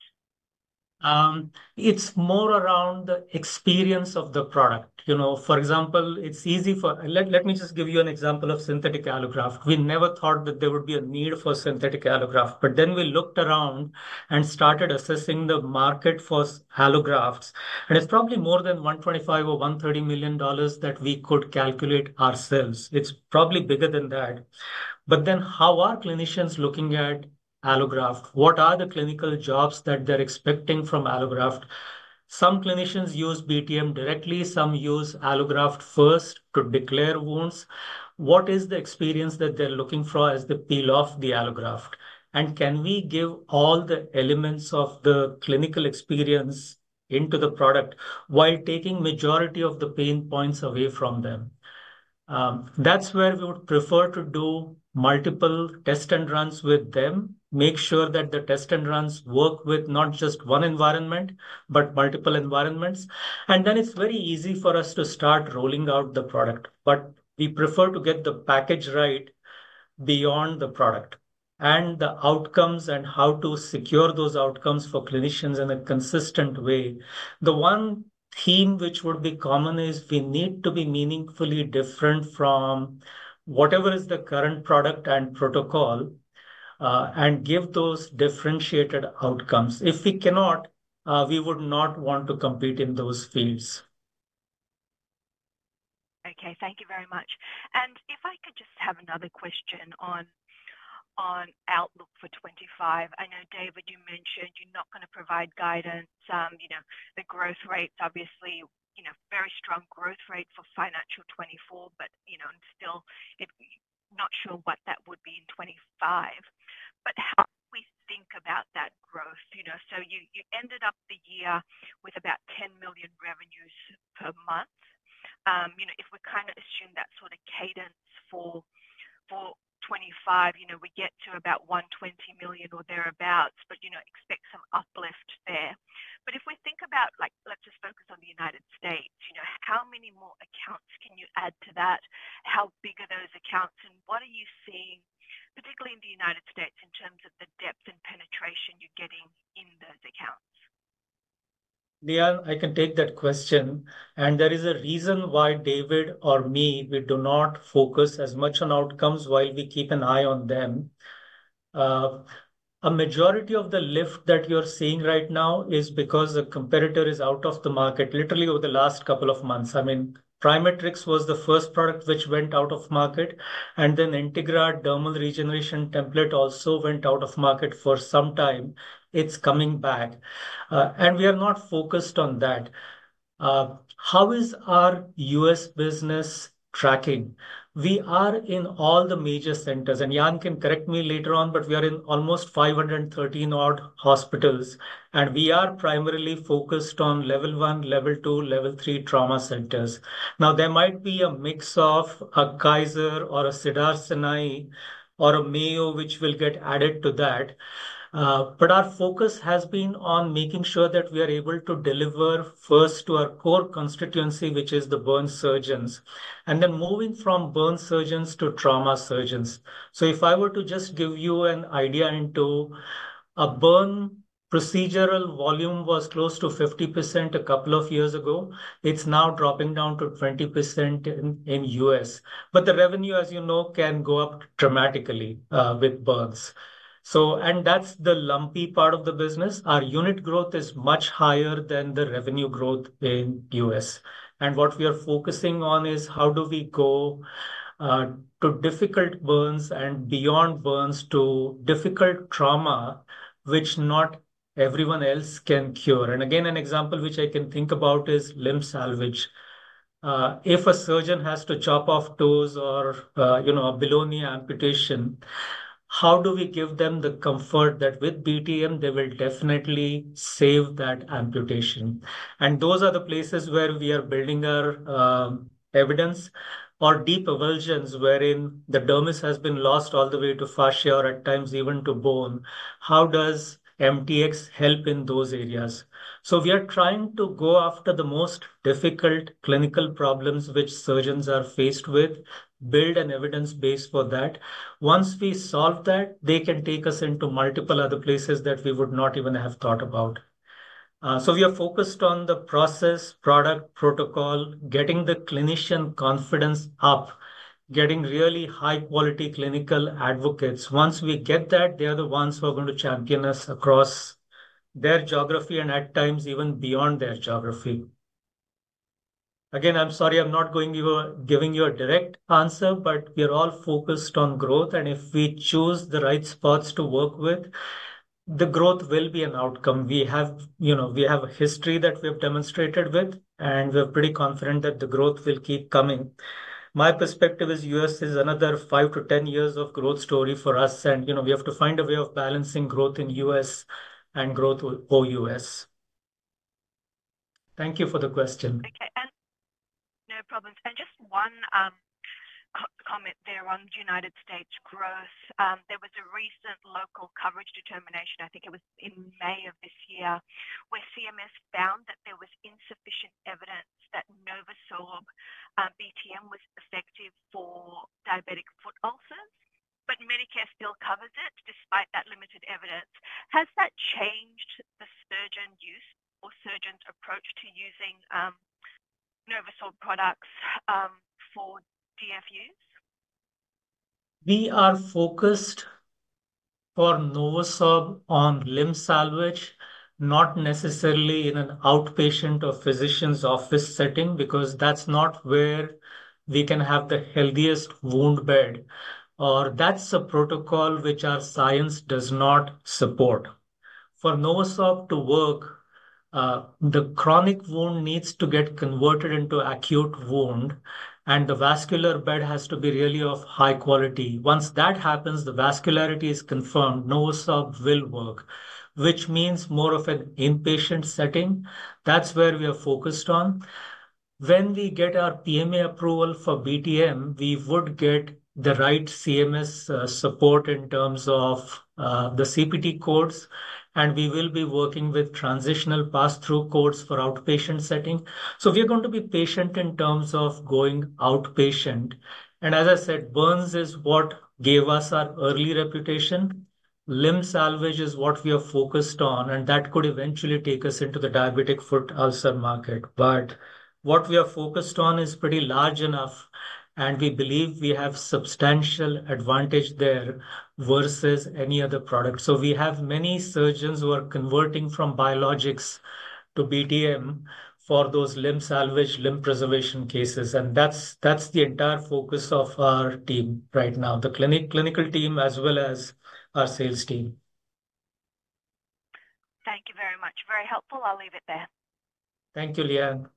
It's more around the experience of the product. You know, for example, let me just give you an example of synthetic allograft. We never thought that there would be a need for synthetic allograft, but then we looked around and started assessing the market for allografts, and it's probably more than $125 or $130 million that we could calculate ourselves. It's probably bigger than that. But then, how are clinicians looking at allograft? What are the clinical jobs that they're expecting from allograft? Some clinicians use BTM directly, some use allograft first to declare wounds. What is the experience that they're looking for as they peel off the allograft? And can we give all the elements of the clinical experience into the product while taking majority of the pain points away from them? That's where we would prefer to do multiple test and runs with them, make sure that the test and runs work with not just one environment, but multiple environments, and then it's very easy for us to start rolling out the product. But we prefer to get the package right beyond the product and the outcomes and how to secure those outcomes for clinicians in a consistent way. The one theme which would be common is we need to be meaningfully different from whatever is the current product and protocol, and give those differentiated outcomes. If we cannot, we would not want to compete in those fields. Okay, thank you very much. And if I could just have another question on outlook for 2025. I know, David, you mentioned you're not gonna provide guidance. You know, the growth rates, obviously, you know, very strong growth rate for financial 2024, but, you know, and still I'm not sure what that would be in 2025. But how do we think about that growth? You know, so you ended up the year with about 10 million in revenues per month. You know, if we kind of assume that sort of cadence for 2025, you know, we get to about 120 million or thereabouts, but, you know, expect some uplift there. But if we think about like, let's just focus on the United States, you know, how many more accounts can you add to that? How big are those accounts, and what are you seeing, particularly in the United States, in terms of the depth and penetration you're getting in those accounts? Neil, I can take that question. There is a reason why David or me, we do not focus as much on outcomes, while we keep an eye on them. A majority of the lift that you're seeing right now is because the competitor is out of the market, literally over the last couple of months. I mean, PriMatrix was the first product which went out of market, and then Integra Dermal Regeneration Template also went out of market for some time. It's coming back, and we are not focused on that. How is our U.S. business tracking? We are in all the major centers, and Jan can correct me later on, but we are in almost 513 hospitals, and we are primarily focused on level one, level two, level three trauma centers. Now, there might be a mix of a Kaiser or a Cedars-Sinai or a Mayo, which will get added to that. But our focus has been on making sure that we are able to deliver first to our core constituency, which is the burn surgeons, and then moving from burn surgeons to trauma surgeons. So if I were to just give you an idea into a burn procedural volume was close to 50% a couple of years ago, it's now dropping down to 20% in U.S. But the revenue, as you know, can go up dramatically, with burns. And that's the lumpy part of the business. Our unit growth is much higher than the revenue growth in U.S., and what we are focusing on is how do we go to difficult burns and beyond burns to difficult trauma, which not everyone else can cure. And again, an example which I can think about is limb salvage. If a surgeon has to chop off toes or, you know, a below-knee amputation, how do we give them the comfort that with BTM, they will definitely save that amputation? And those are the places where we are building our evidence or deep avulsions, wherein the dermis has been lost all the way to fascia or at times even to bone. How does MTX help in those areas? So we are trying to go after the most difficult clinical problems which surgeons are faced with, build an evidence base for that. Once we solve that, they can take us into multiple other places that we would not even have thought about. So we are focused on the process, product, protocol, getting the clinician confidence up, getting really high-quality clinical advocates. Once we get that, they are the ones who are going to champion us across their geography and at times, even beyond their geography. Again, I'm sorry, I'm not going to give you a direct answer, but we are all focused on growth, and if we choose the right spots to work with, the growth will be an outcome. We have, you know, we have a history that we have demonstrated with, and we're pretty confident that the growth will keep coming. My perspective is U.S. is another five to ten years of growth story for us, and, you know, we have to find a way of balancing growth in U.S. and growth OUS. Thank you for the question. Okay, and no problems. And just one comment there on United States growth. There was a recent local coverage determination, I think it was in May of this year, where CMS found that there was insufficient evidence that NovoSorb BTM was effective for diabetic foot ulcers, but Medicare still covers it despite that limited evidence. Has that changed the surgeon use or surgeon's approach to using NovoSorb products for DFUs? We are focused for NovoSorb on limb salvage, not necessarily in an outpatient or physician's office setting, because that's not where we can have the healthiest wound bed, or that's a protocol which our science does not support. For NovoSorb to work, the chronic wound needs to get converted into acute wound, and the vascular bed has to be really of high quality. Once that happens, the vascularity is confirmed, NovoSorb will work, which means more of an inpatient setting. That's where we are focused on. When we get our PMA approval for BTM, we would get the right CMS support in terms of the CPT codes, and we will be working with transitional pass-through codes for outpatient setting, so we are going to be patient in terms of going outpatient, and as I said, burns is what gave us our early reputation. Limb salvage is what we are focused on, and that could eventually take us into the diabetic foot ulcer market. But what we are focused on is pretty large enough, and we believe we have substantial advantage there versus any other product. So we have many surgeons who are converting from biologics to BTM for those limb salvage, limb preservation cases, and that's, that's the entire focus of our team right now, the clinical team, as well as our sales team. Thank you very much. Very helpful. I'll leave it there. Thank you, Leanne.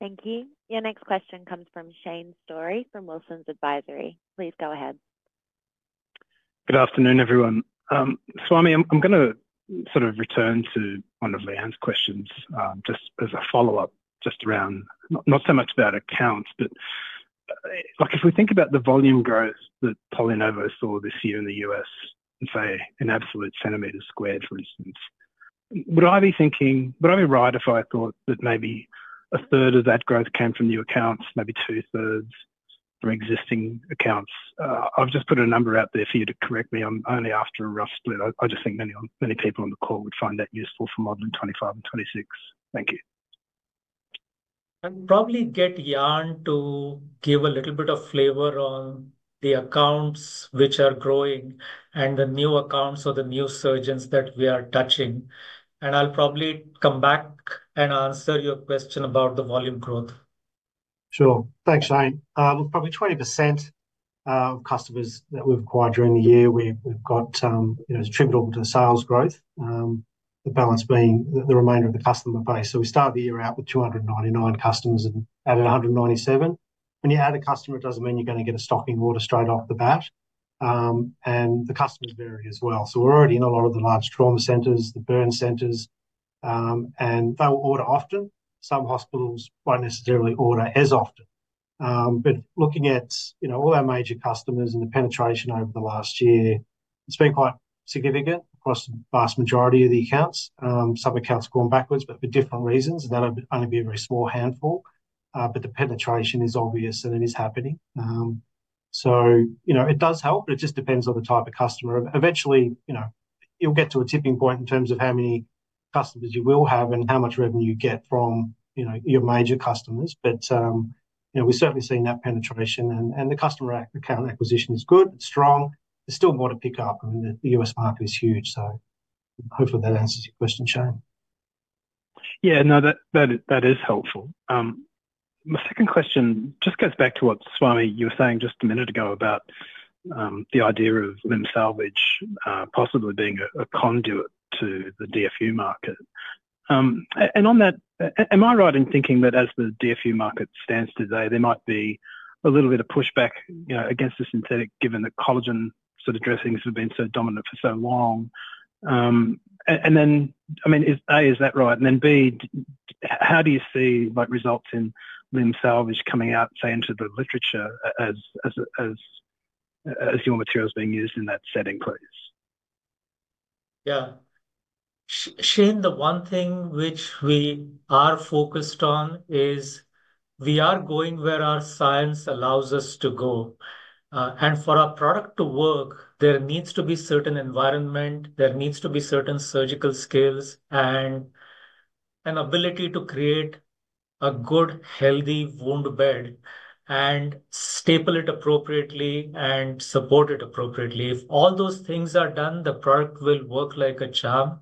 Thank you. Your next question comes from Shane Storey from Wilsons Advisory. Please go ahead. Good afternoon, everyone. Swami, I'm gonna sort of return to one of Leanne's questions, just as a follow-up, just around, not so much about accounts, but like, if we think about the volume growth that PolyNovo saw this year in the U.S., say, in absolute square centimeters, for instance, would I be thinking? Would I be right if I thought that maybe a third of that growth came from new accounts, maybe two-thirds from existing accounts? I've just put a number out there for you to correct me. I'm only after a rough split. I just think many people on the call would find that useful for modeling 2025 and 2026. Thank you. I'll probably get Jan to give a little bit of flavor on the accounts which are growing and the new accounts or the new surgeons that we are touching, and I'll probably come back and answer your question about the volume growth. Sure. Thanks, Shane. Probably 20% of customers that we've acquired during the year, we've got you know, trivial to sales growth, the balance being the remainder of the customer base, so we started the year out with 299 customers and added 197. When you add a customer, it doesn't mean you're gonna get a stocking order straight off the bat, and the customers vary as well, so we're already in a lot of the large trauma centers, the burn centers, and they'll order often. Some hospitals won't necessarily order as often, but looking at you know, all our major customers and the penetration over the last year, it's been quite significant across the vast majority of the accounts. Some accounts have gone backwards, but for different reasons, that'll only be a very small handful, but the penetration is obvious, and it is happening. So you know, it does help, but it just depends on the type of customer. Eventually, you know, you'll get to a tipping point in terms of how many customers you will have and how much revenue you get from, you know, your major customers. But, you know, we're certainly seeing that penetration, and the customer account acquisition is good, it's strong. There's still more to pick up, and the U.S. market is huge, so hopefully that answers your question, Shane. Yeah. No, that is helpful. My second question just goes back to what, Swami, you were saying just a minute ago about the idea of limb salvage, possibly being a conduit to the DFU market. And on that, am I right in thinking that as the DFU market stands today, there might be a little bit of pushback, you know, against the synthetic, given that collagen sort of dressings have been so dominant for so long? And then, I mean, A, is that right? And then, B, how do you see what results in limb salvage coming out, say, into the literature as human material is being used in that setting, please? Yeah. Shane, the one thing which we are focused on is we are going where our science allows us to go. And for our product to work, there needs to be certain environment, there needs to be certain surgical skills, and an ability to create a good, healthy wound bed... and staple it appropriately and support it appropriately. If all those things are done, the product will work like a charm.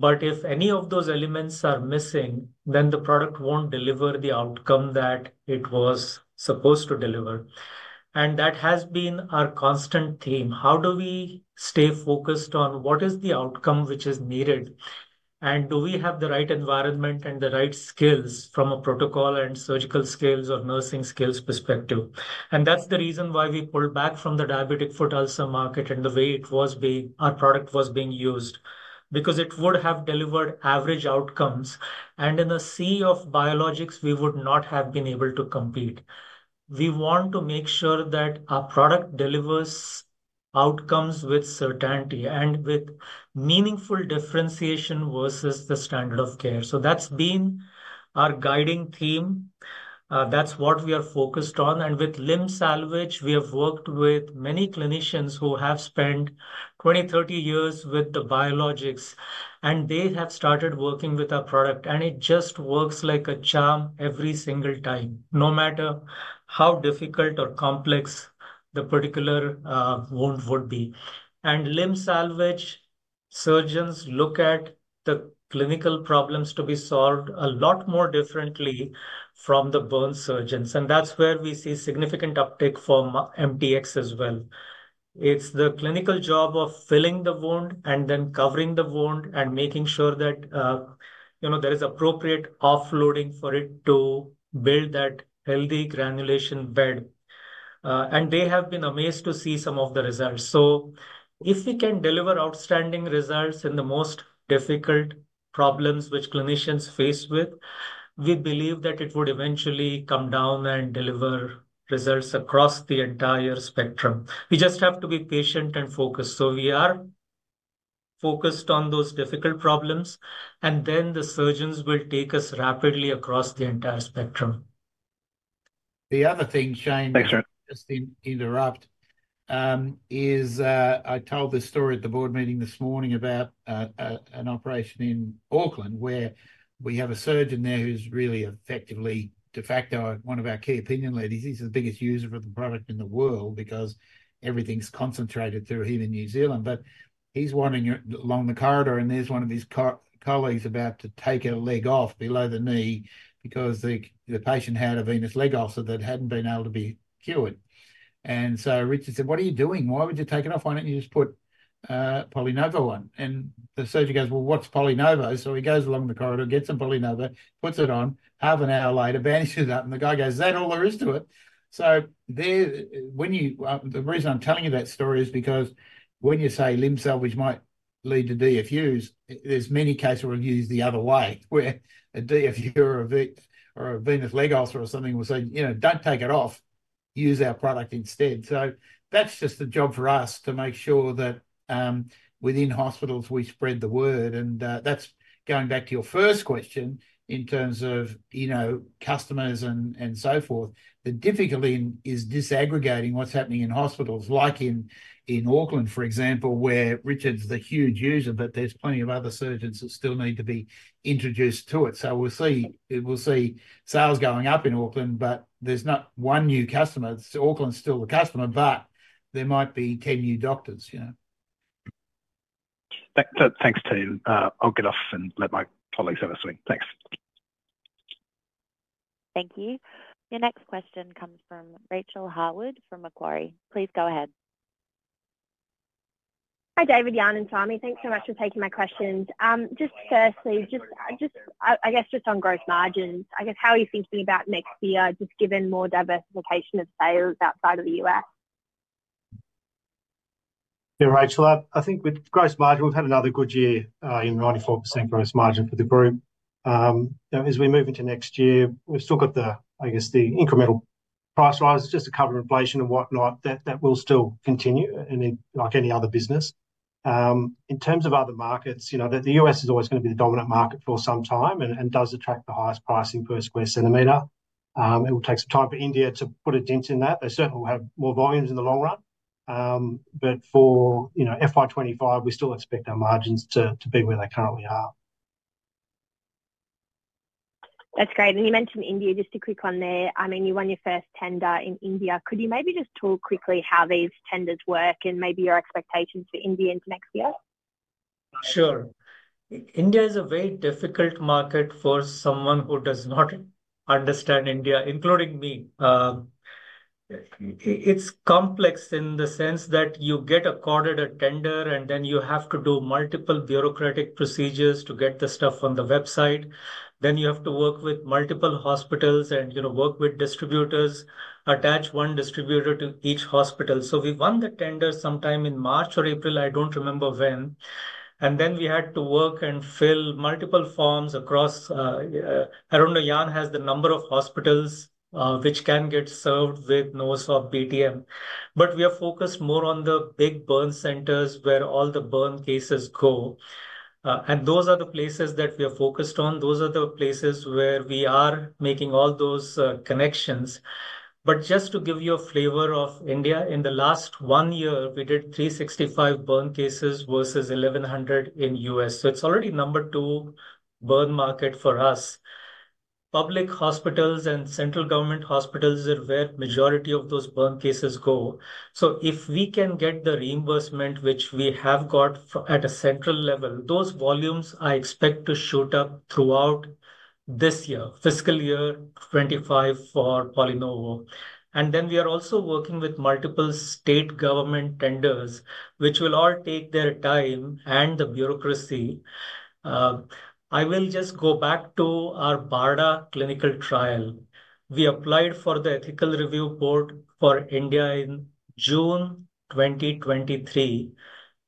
But if any of those elements are missing, then the product won't deliver the outcome that it was supposed to deliver, and that has been our constant theme. How do we stay focused on what is the outcome which is needed? And do we have the right environment and the right skills from a protocol and surgical skills or nursing skills perspective? And that's the reason why we pulled back from the diabetic foot ulcer market and the way our product was being used, because it would have delivered average outcomes, and in a sea of biologics, we would not have been able to compete. We want to make sure that our product delivers outcomes with certainty and with meaningful differentiation versus the standard of care. So that's been our guiding theme, that's what we are focused on. And with limb salvage, we have worked with many clinicians who have spent 20, 30 years with the biologics, and they have started working with our product, and it just works like a charm every single time, no matter how difficult or complex the particular wound would be. Limb salvage surgeons look at the clinical problems to be solved a lot more differently from the bone surgeons, and that's where we see significant uptake from MTX as well. It's the clinical job of filling the wound and then covering the wound and making sure that, you know, there is appropriate offloading for it to build that healthy granulation bed. And they have been amazed to see some of the results. If we can deliver outstanding results in the most difficult problems which clinicians face with, we believe that it would eventually come down and deliver results across the entire spectrum. We just have to be patient and focused. We are focused on those difficult problems, and then the surgeons will take us rapidly across the entire spectrum. The other thing, Shane Thanks, Shane. Just to interrupt, I told this story at the board meeting this morning about an operation in Auckland, where we have a surgeon there who's really effectively, de facto, one of our key opinion leaders. He's the biggest user of the product in the world because everything's concentrated through him in New Zealand. But he's wandering along the corridor, and there's one of his colleagues about to take a leg off below the knee because the patient had a venous leg ulcer that hadn't been able to be cured. And so Richard said: "What are you doing? Why would you take it off? Why don't you just put PolyNovo on?" And the surgeon goes: "Well, what's PolyNovo?" So he goes along the corridor, gets some PolyNovo, puts it on. Half an hour later, bandages it up, and the guy goes, "Is that all there is to it?" So, the reason I'm telling you that story is because when you say limb salvage might lead to DFUs, there's many case reviews the other way, where a DFU or a venous leg ulcer or something will say, "You know, don't take it off. Use our product instead." So that's just a job for us to make sure that within hospitals, we spread the word, and that's going back to your first question in terms of, you know, customers and so forth. The difficulty is disaggregating what's happening in hospitals, like in Auckland, for example, where Richard's a huge user, but there's plenty of other surgeons that still need to be introduced to it. So we'll see, we'll see sales going up in Auckland, but there's not one new customer. Auckland's still the customer, but there might be 10 new doctors, you know? Thanks, team. I'll get off and let my colleagues have a swing. Thanks. Thank you. Your next question comes from Rachel Harwood, from Macquarie. Please go ahead. Hi, David, Jan, and Swami. Thanks so much for taking my questions. Just firstly, just on growth margins, I guess, how are you thinking about next year, just given more diversification of sales outside of the U.S.? Yeah, Rachel, I think with gross margin, we've had another good year, in 94% gross margin for the group. As we move into next year, we've still got the, I guess, the incremental price rise just to cover inflation and whatnot, that will still continue, and like any other business. In terms of other markets, you know, the U.S. is always gonna be the dominant market for some time and does attract the highest pricing per square centimeter. It will take some time for India to put a dent in that. They certainly will have more volumes in the long run. But for, you know, FY 2025, we still expect our margins to be where they currently are. That's great, and you mentioned India. Just a quick one on there, I mean, you won your first tender in India. Could you maybe just talk quickly how these tenders work and maybe your expectations for India into next year? Sure. India is a very difficult market for someone who does not understand India, including me. It's complex in the sense that you get awarded a tender, and then you have to do multiple bureaucratic procedures to get the stuff on the website. Then you have to work with multiple hospitals and, you know, work with distributors, attach one distributor to each hospital. So we won the tender sometime in March or April, I don't remember when, and then we had to work and fill multiple forms across. I don't know, Jan has the number of hospitals which can get served with NovoSorb BTM. But we are focused more on the big burn centers where all the burn cases go, and those are the places that we are focused on. Those are the places where we are making all those connections. But just to give you a flavor of India, in the last one year, we did 365 burn cases versus 1,100 in the U.S. So it's already number two burn market for us. Public hospitals and central government hospitals are where majority of those burn cases go. So if we can get the reimbursement, which we have got at a central level, those volumes I expect to shoot up throughout this year, fiscal year 2025 for PolyNovo. And then we are also working with multiple state government tenders, which will all take their time and the bureaucracy. I will just go back to our BARDA clinical trial. We applied for the ethical review board for India in June 2023.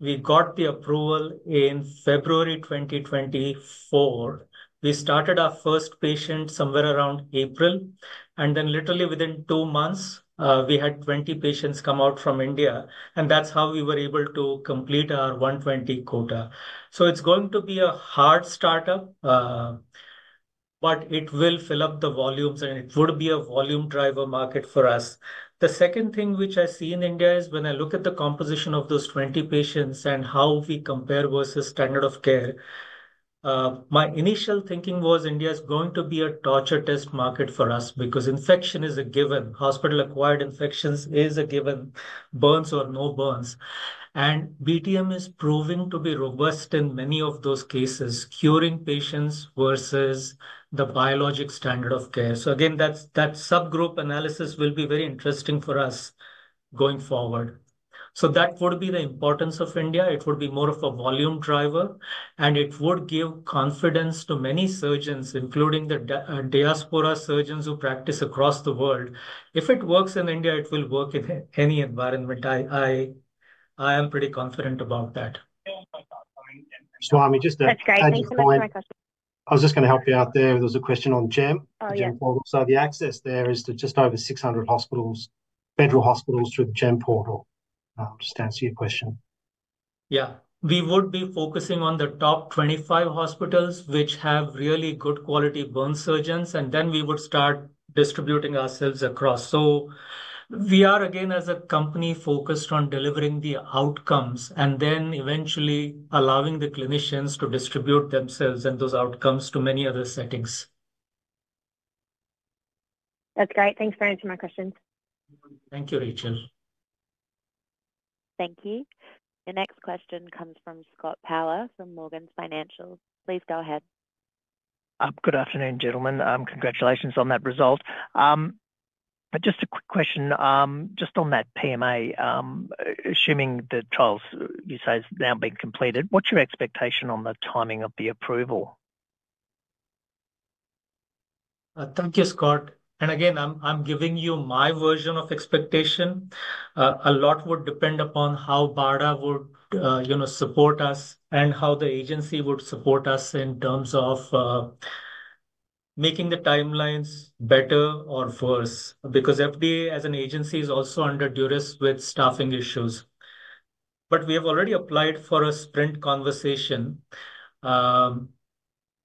We got the approval in February 2024. We started our first patient somewhere around April, and then literally within two months, we had 20 patients come out from India, and that's how we were able to complete our 120 quota. So it's going to be a hard startup, but it will fill up the volumes, and it would be a volume driver market for us. The second thing which I see in India is when I look at the composition of those 20 patients and how we compare versus standard of care. My initial thinking was India is going to be a torture test market for us because infection is a given. Hospital-acquired infections is a given, burns or no burns, and BTM is proving to be robust in many of those cases, curing patients versus the biologic standard of care. So again, that subgroup analysis will be very interesting for us going forward. So that would be the importance of India. It would be more of a volume driver, and it would give confidence to many surgeons, including the diaspora surgeons who practice across the world. If it works in India, it will work in any environment. I am pretty confident about that. Swami, just a That's great. Thanks so much for my question. I was just gonna help you out there. There was a question on GEM- Oh, yeah So the access there is to just over six hundred hospitals, federal hospitals through the GEM portal, just to answer your question. Yeah. We would be focusing on the top 25 hospitals, which have really good quality burn surgeons, and then we would start distributing ourselves across. So we are, again, as a company, focused on delivering the outcomes and then eventually allowing the clinicians to distribute themselves and those outcomes to many other settings. That's great. Thanks for answering my questions. Thank you, Rachel. Thank you. The next question comes from Scott Power, from Morgans Financial. Please go ahead. Good afternoon, gentlemen. Congratulations on that result. But just a quick question, just on that PMA, assuming the trials, you say, has now been completed, what's your expectation on the timing of the approval? Thank you, Scott, and again, I'm giving you my version of expectation. A lot would depend upon how BARDA would, you know, support us, and how the agency would support us in terms of making the timelines better or worse. Because FDA, as an agency, is also under duress with staffing issues. But we have already applied for a sprint conversation,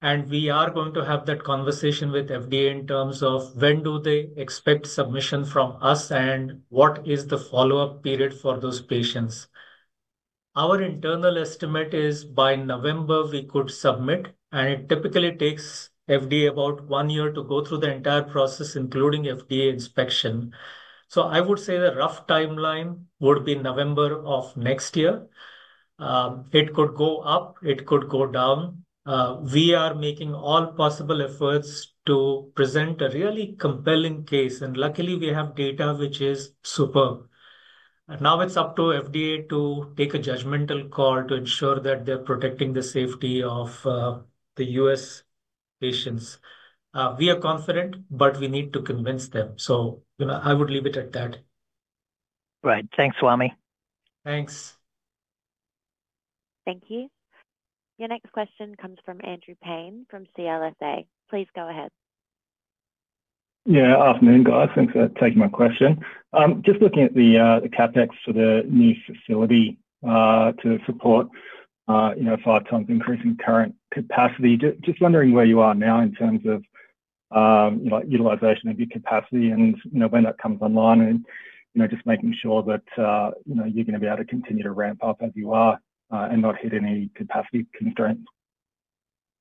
and we are going to have that conversation with FDA in terms of when do they expect submission from us, and what is the follow-up period for those patients. Our internal estimate is by November, we could submit, and it typically takes FDA about one year to go through the entire process, including FDA inspection. So I would say the rough timeline would be November of next year It could go up, it could go down. We are making all possible efforts to present a really compelling case, and luckily, we have data which is superb. Now it's up to FDA to take a judgmental call to ensure that they're protecting the safety of the U.S. patients. We are confident, but we need to convince them, so, you know, I would leave it at that. Right. Thanks, Swami. Thanks. Thank you. Your next question comes from Andrew Paine, from CLSA. Please go ahead. Yeah, afternoon, guys. Thanks for taking my question. Just looking at the CapEx for the new facility to support, you know, five times increasing current capacity. Just wondering where you are now in terms of, you know, utilization of your capacity and, you know, when that comes online and, you know, just making sure that, you know, you're gonna be able to continue to ramp up as you are, and not hit any capacity constraints.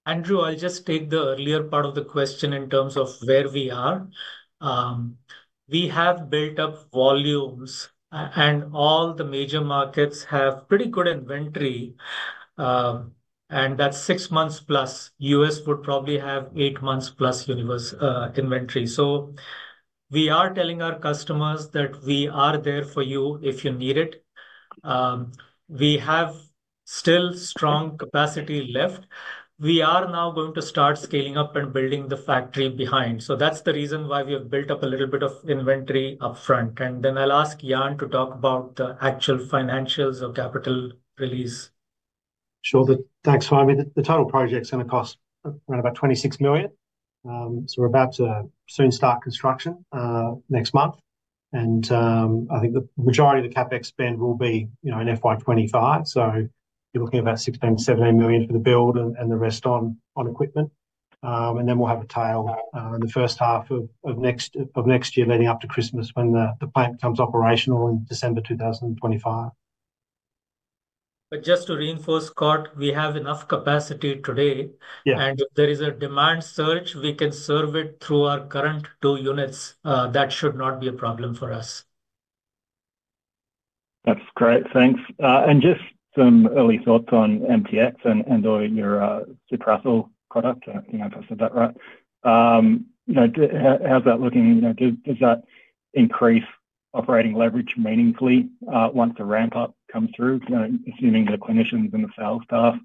Andrew, I'll just take the earlier part of the question in terms of where we are. We have built up volumes, and all the major markets have pretty good inventory, and that's six months plus. U.S. would probably have eight months plus universe inventory. So we are telling our customers that we are there for you if you need it. We have still strong capacity left. We are now going to start scaling up and building the factory behind. So that's the reason why we have built up a little bit of inventory upfront, and then I'll ask Jan to talk about the actual financials of capital release. Sure. Thanks, Swami. The total project is gonna cost around about 26 million. So we're about to soon start construction next month, and I think the majority of the CapEx spend will be, you know, in FY 2025. So you're looking at about 16-17 million for the build and the rest on equipment. And then we'll have a tail in the first half of next year, leading up to Christmas, when the plant becomes operational in December 2025. But just to reinforce, Scott, we have enough capacity today. Yeah. And if there is a demand surge, we can serve it through our current two units. That should not be a problem for us. That's great. Thanks, and just some early thoughts on MTX and, and/or your Suprathel product. I think I said that right. You know, how's that looking? You know, does that increase operating leverage meaningfully once the ramp up comes through? You know, assuming the clinicians and the sales staff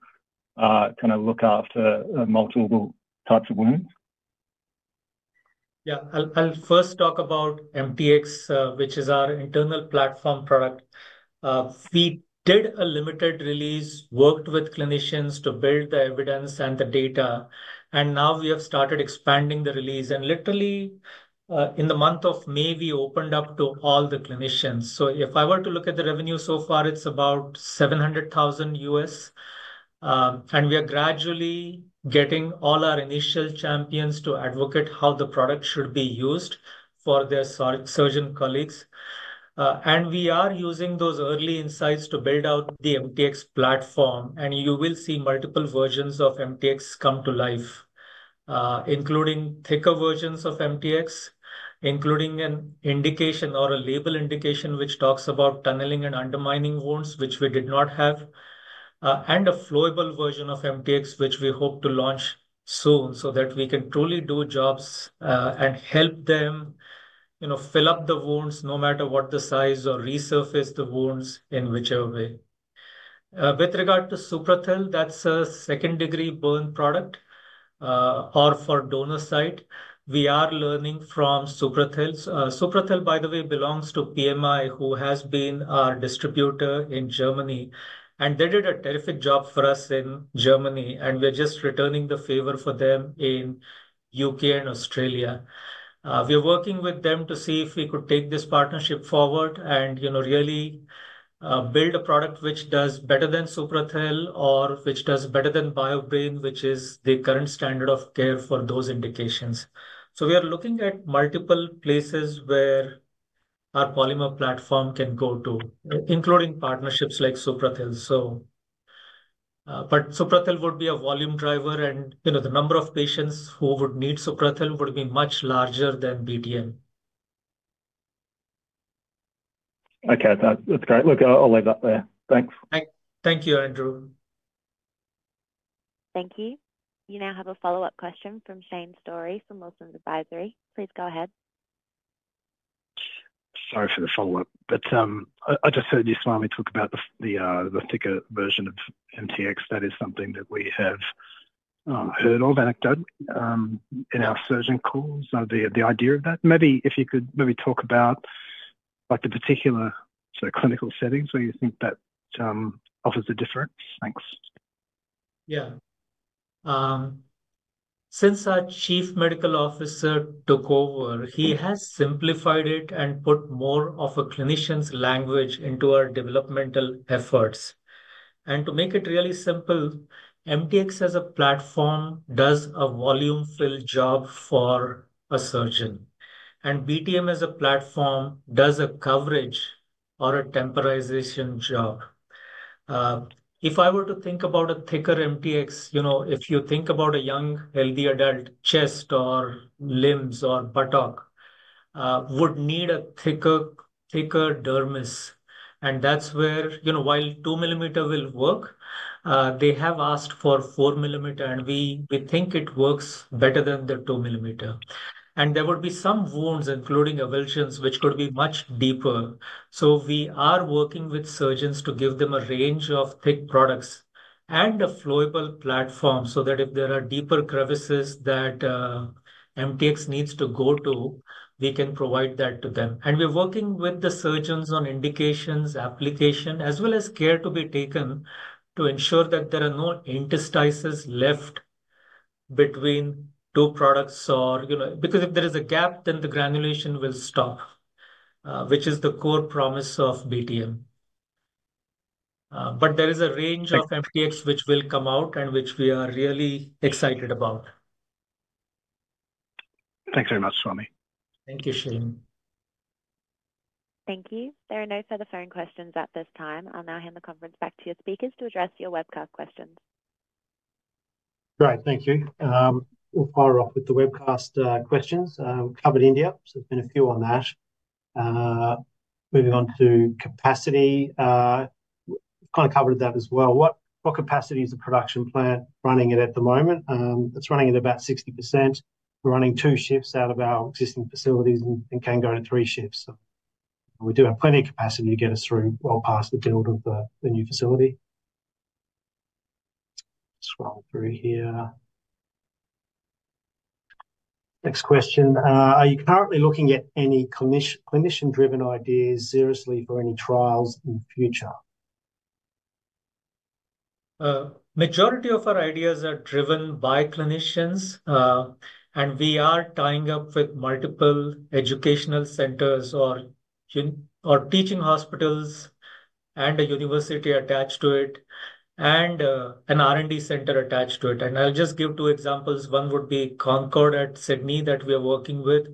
kind of look after multiple types of wounds. Yeah. I'll first talk about MTX, which is our internal platform product. We did a limited release, worked with clinicians to build the evidence and the data, and now we have started expanding the release. And literally, in the month of May, we opened up to all the clinicians. So if I were to look at the revenue so far, it's about $700,000, and we are gradually getting all our initial champions to advocate how the product should be used for their surgeon colleagues. And we are using those early insights to build out the MTX platform, and you will see multiple versions of MTX come to life, including thicker versions of MTX, including an indication or a label indication, which talks about tunneling and undermining wounds, which we did not have. And a flowable version of MTX, which we hope to launch soon, so that we can truly do jobs, and help them, you know, fill up the wounds, no matter what the size, or resurface the wounds in whichever way. With regard to Suprathel, that's a second-degree burn product, or for donor site. We are learning from Suprathel. Suprathel, by the way, belongs to PMI, who has been our distributor in Germany, and they did a terrific job for us in Germany, and we're just returning the favor for them in UK and Australia. We are working with them to see if we could take this partnership forward and, you know, really, build a product which does better than Suprathel or which does better than Biobrane, which is the current standard of care for those indications. We are looking at multiple places where our polymer platform can go to, including partnerships like Suprathel. But Suprathel would be a volume driver and, you know, the number of patients who would need Suprathel would be much larger than BTM. Okay, that's great. Look, I'll leave that there. Thanks. Thank you, Andrew. Thank you. You now have a follow-up question from Shane Storey from Wilsons Advisory. Please go ahead. Sorry for the follow-up, but I just heard you, Swami, talk about the thicker version of MTX. That is something that we have heard anecdotally in our surgeon calls, the idea of that. Maybe if you could maybe talk about, like, the particular sort of clinical settings where you think that offers a difference. Thanks. Yeah. Since our Chief Medical Officer took over, he has simplified it and put more of a clinician's language into our developmental efforts. And to make it really simple, MTX as a platform does a volume fill job for a surgeon, and BTM as a platform does a coverage or a temporization job. If I were to think about a thicker MTX, you know, if you think about a young, healthy adult, chest or limbs or buttock would need a thicker dermis, and that's where, you know, while two millimeter will work, they have asked for four millimeter, and we think it works better than the two millimeter. And there would be some wounds, including avulsions, which could be much deeper. So we are working with surgeons to give them a range of thick products and a flowable platform so that if there are deeper crevices that MTX needs to go to, we can provide that to them. And we're working with the surgeons on indications, application, as well as care to be taken, to ensure that there are no interstices left between two products or... You know, because if there is a gap, then the granulation will stop, which is the core promise of BTM. But there is a range. Thank- of MTX which will come out and which we are really excited about. Thanks very much, Swami. Thank you, Shane. Thank you. There are no further phone questions at this time. I'll now hand the conference back to your speakers to address your webcast questions. Great, thank you. We'll fire off with the webcast questions. We covered India, so there's been a few on that. Moving on to capacity, kind of covered that as well. What capacity is the production plant running at at the moment? It's running at about 60%. We're running two shifts out of our existing facilities and can go to three shifts. We do have plenty of capacity to get us through well past the build of the new facility. Scroll through here. Next question. Are you currently looking at any clinician-driven ideas seriously for any trials in the future? Majority of our ideas are driven by clinicians, and we are tying up with multiple educational centers or teaching hospitals and a university attached to it, and an R&D center attached to it. I'll just give two examples. One would be Concord at Sydney that we are working with.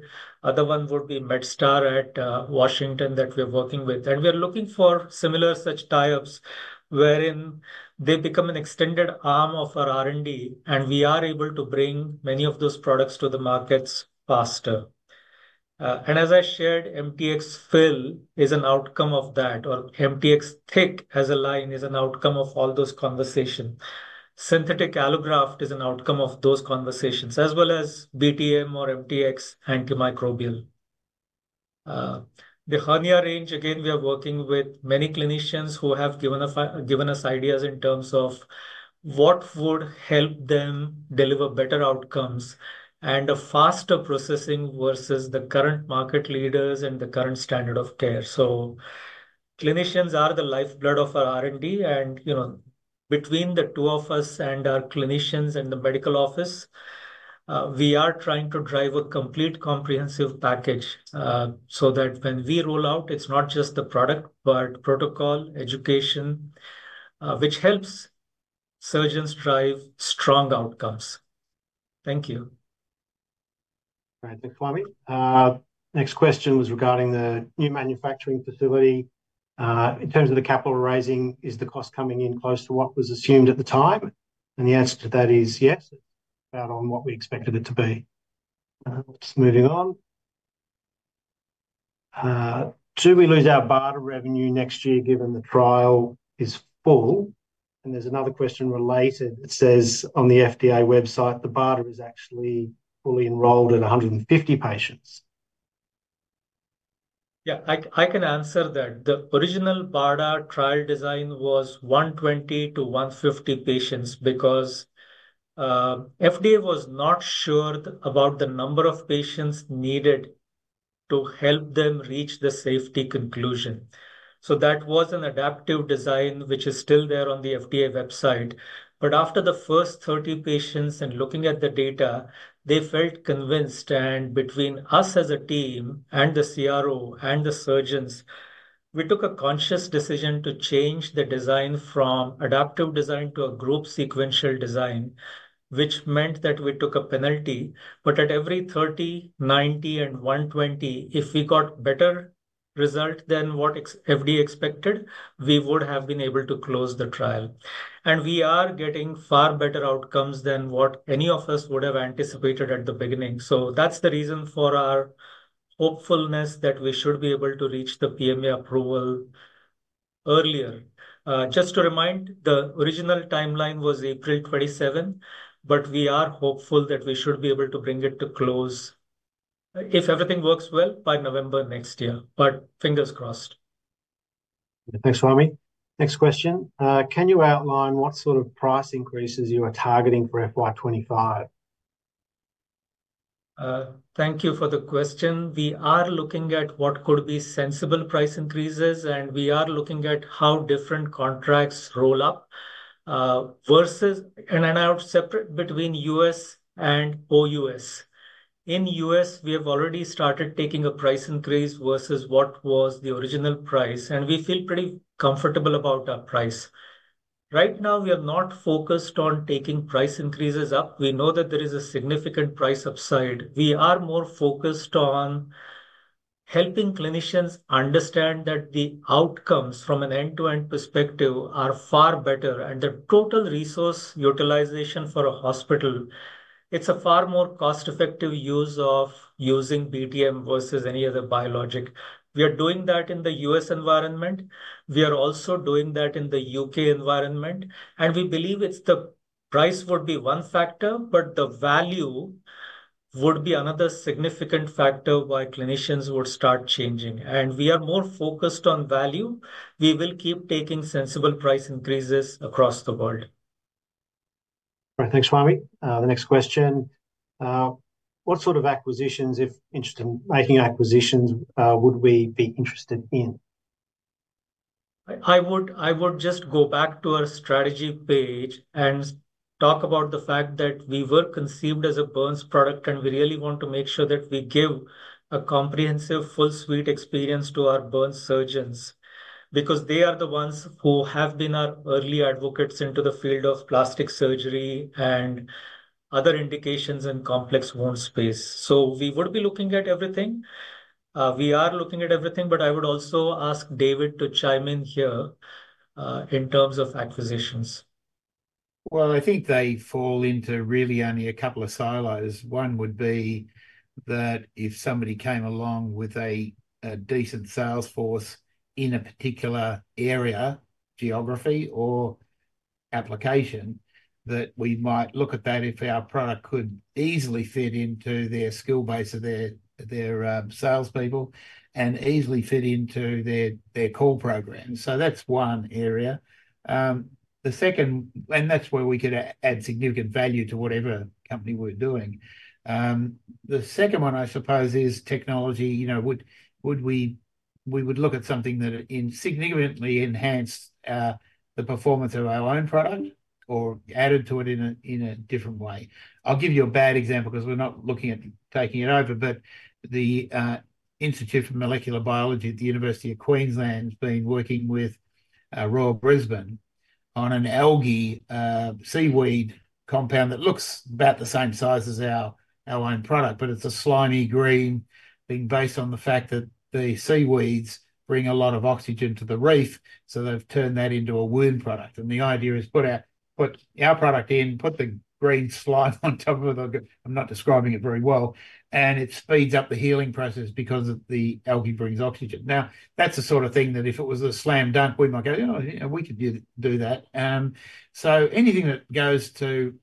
Other one would be MedStar at Washington that we are working with. We are looking for similar such tie-ups, wherein they become an extended arm of our R&D, and we are able to bring many of those products to the markets faster. And as I shared, MTX Fill is an outcome of that, or MTX Thick as a line is an outcome of all those conversation. Synthetic allograft is an outcome of those conversations, as well as BTM or MTX antimicrobial. The hernia range, again, we are working with many clinicians who have given us ideas in terms of what would help them deliver better outcomes and a faster processing versus the current market leaders and the current standard of care. So clinicians are the lifeblood of our R&D, and, you know, between the two of us and our clinicians in the medical office, we are trying to drive a complete, comprehensive package, so that when we roll out, it's not just the product, but protocol, education, which helps surgeons drive strong outcomes. Thank you. Right. Thanks, Swami. Next question was regarding the new manufacturing facility. In terms of the capital raising, is the cost coming in close to what was assumed at the time? And the answer to that is yes, about on what we expected it to be. Let's move on. Do we lose our BARDA revenue next year, given the trial is full? And there's another question related. It says, "On the FDA website, the BARDA is actually fully enrolled in a hundred and fifty patients. Yeah, I can answer that. The original BARDA trial design was 120 to 150 patients because FDA was not sure about the number of patients needed to help them reach the safety conclusion. So that was an adaptive design, which is still there on the FDA website. But after the first 30 patients, and looking at the data, they felt convinced, and between us as a team, and the CRO, and the surgeons, we took a conscious decision to change the design from adaptive design to a group sequential design, which meant that we took a penalty. But at every 30, 90, and 120, if we got better result than what the FDA expected, we would have been able to close the trial. And we are getting far better outcomes than what any of us would have anticipated at the beginning. That's the reason for our hopefulness that we should be able to reach the PMA approval earlier. Just to remind, the original timeline was April twenty-seventh, but we are hopeful that we should be able to bring it to close, if everything works well, by November next year, but fingers crossed. Thanks, Swami. Next question. Can you outline what sort of price increases you are targeting for FY 2025? Thank you for the question. We are looking at what could be sensible price increases, and we are looking at how different contracts roll up versus and are separate between U.S. and OUS. In U.S., we have already started taking a price increase versus what was the original price, and we feel pretty comfortable about our price. Right now, we are not focused on taking price increases up. We know that there is a significant price upside. We are more focused on helping clinicians understand that the outcomes from an end-to-end perspective are far better, and the total resource utilization for a hospital. It's a far more cost-effective use of using BTM versus any other biologic. We are doing that in the U.S. environment, we are also doing that in the U.K. environment, and we believe it's the price would be one factor, but the value would be another significant factor why clinicians would start changing, and we are more focused on value. We will keep taking sensible price increases across the world. All right. Thanks, Swami. The next question: What sort of acquisitions, if interested in making acquisitions, would we be interested in? I would just go back to our strategy page and talk about the fact that we were conceived as a burns product, and we really want to make sure that we give a comprehensive, full suite experience to our burns surgeons, because they are the ones who have been our early advocates into the field of plastic surgery and other indications in complex wound space. So we would be looking at everything, we are looking at everything, but I would also ask David to chime in here, in terms of acquisitions. I think they fall into really only a couple of silos. One would be that if somebody came along with a decent sales force in a particular area, geography, or application, that we might look at that if our product could easily fit into their skill base of their salespeople, and easily fit into their core program. So that's one area. The second and that's where we could add significant value to whatever company we're doing. The second one, I suppose, is technology. You know, would we would look at something that significantly enhance the performance of our own product? or added to it in a, in a different way. I'll give you a bad example, because we're not looking at taking it over, but the Institute for Molecular Biology at the University of Queensland has been working with Royal Brisbane on an algae, seaweed compound that looks about the same size as our own product, but it's a slimy green thing based on the fact that the seaweeds bring a lot of oxygen to the reef. So they've turned that into a wound product, and the idea is put our product in, put the green slime on top of it. I'm not describing it very well, and it speeds up the healing process because of the algae brings oxygen. Now, that's the sort of thing that if it was a slam dunk, we might go, "Oh, yeah, we could do that." So anything that goes to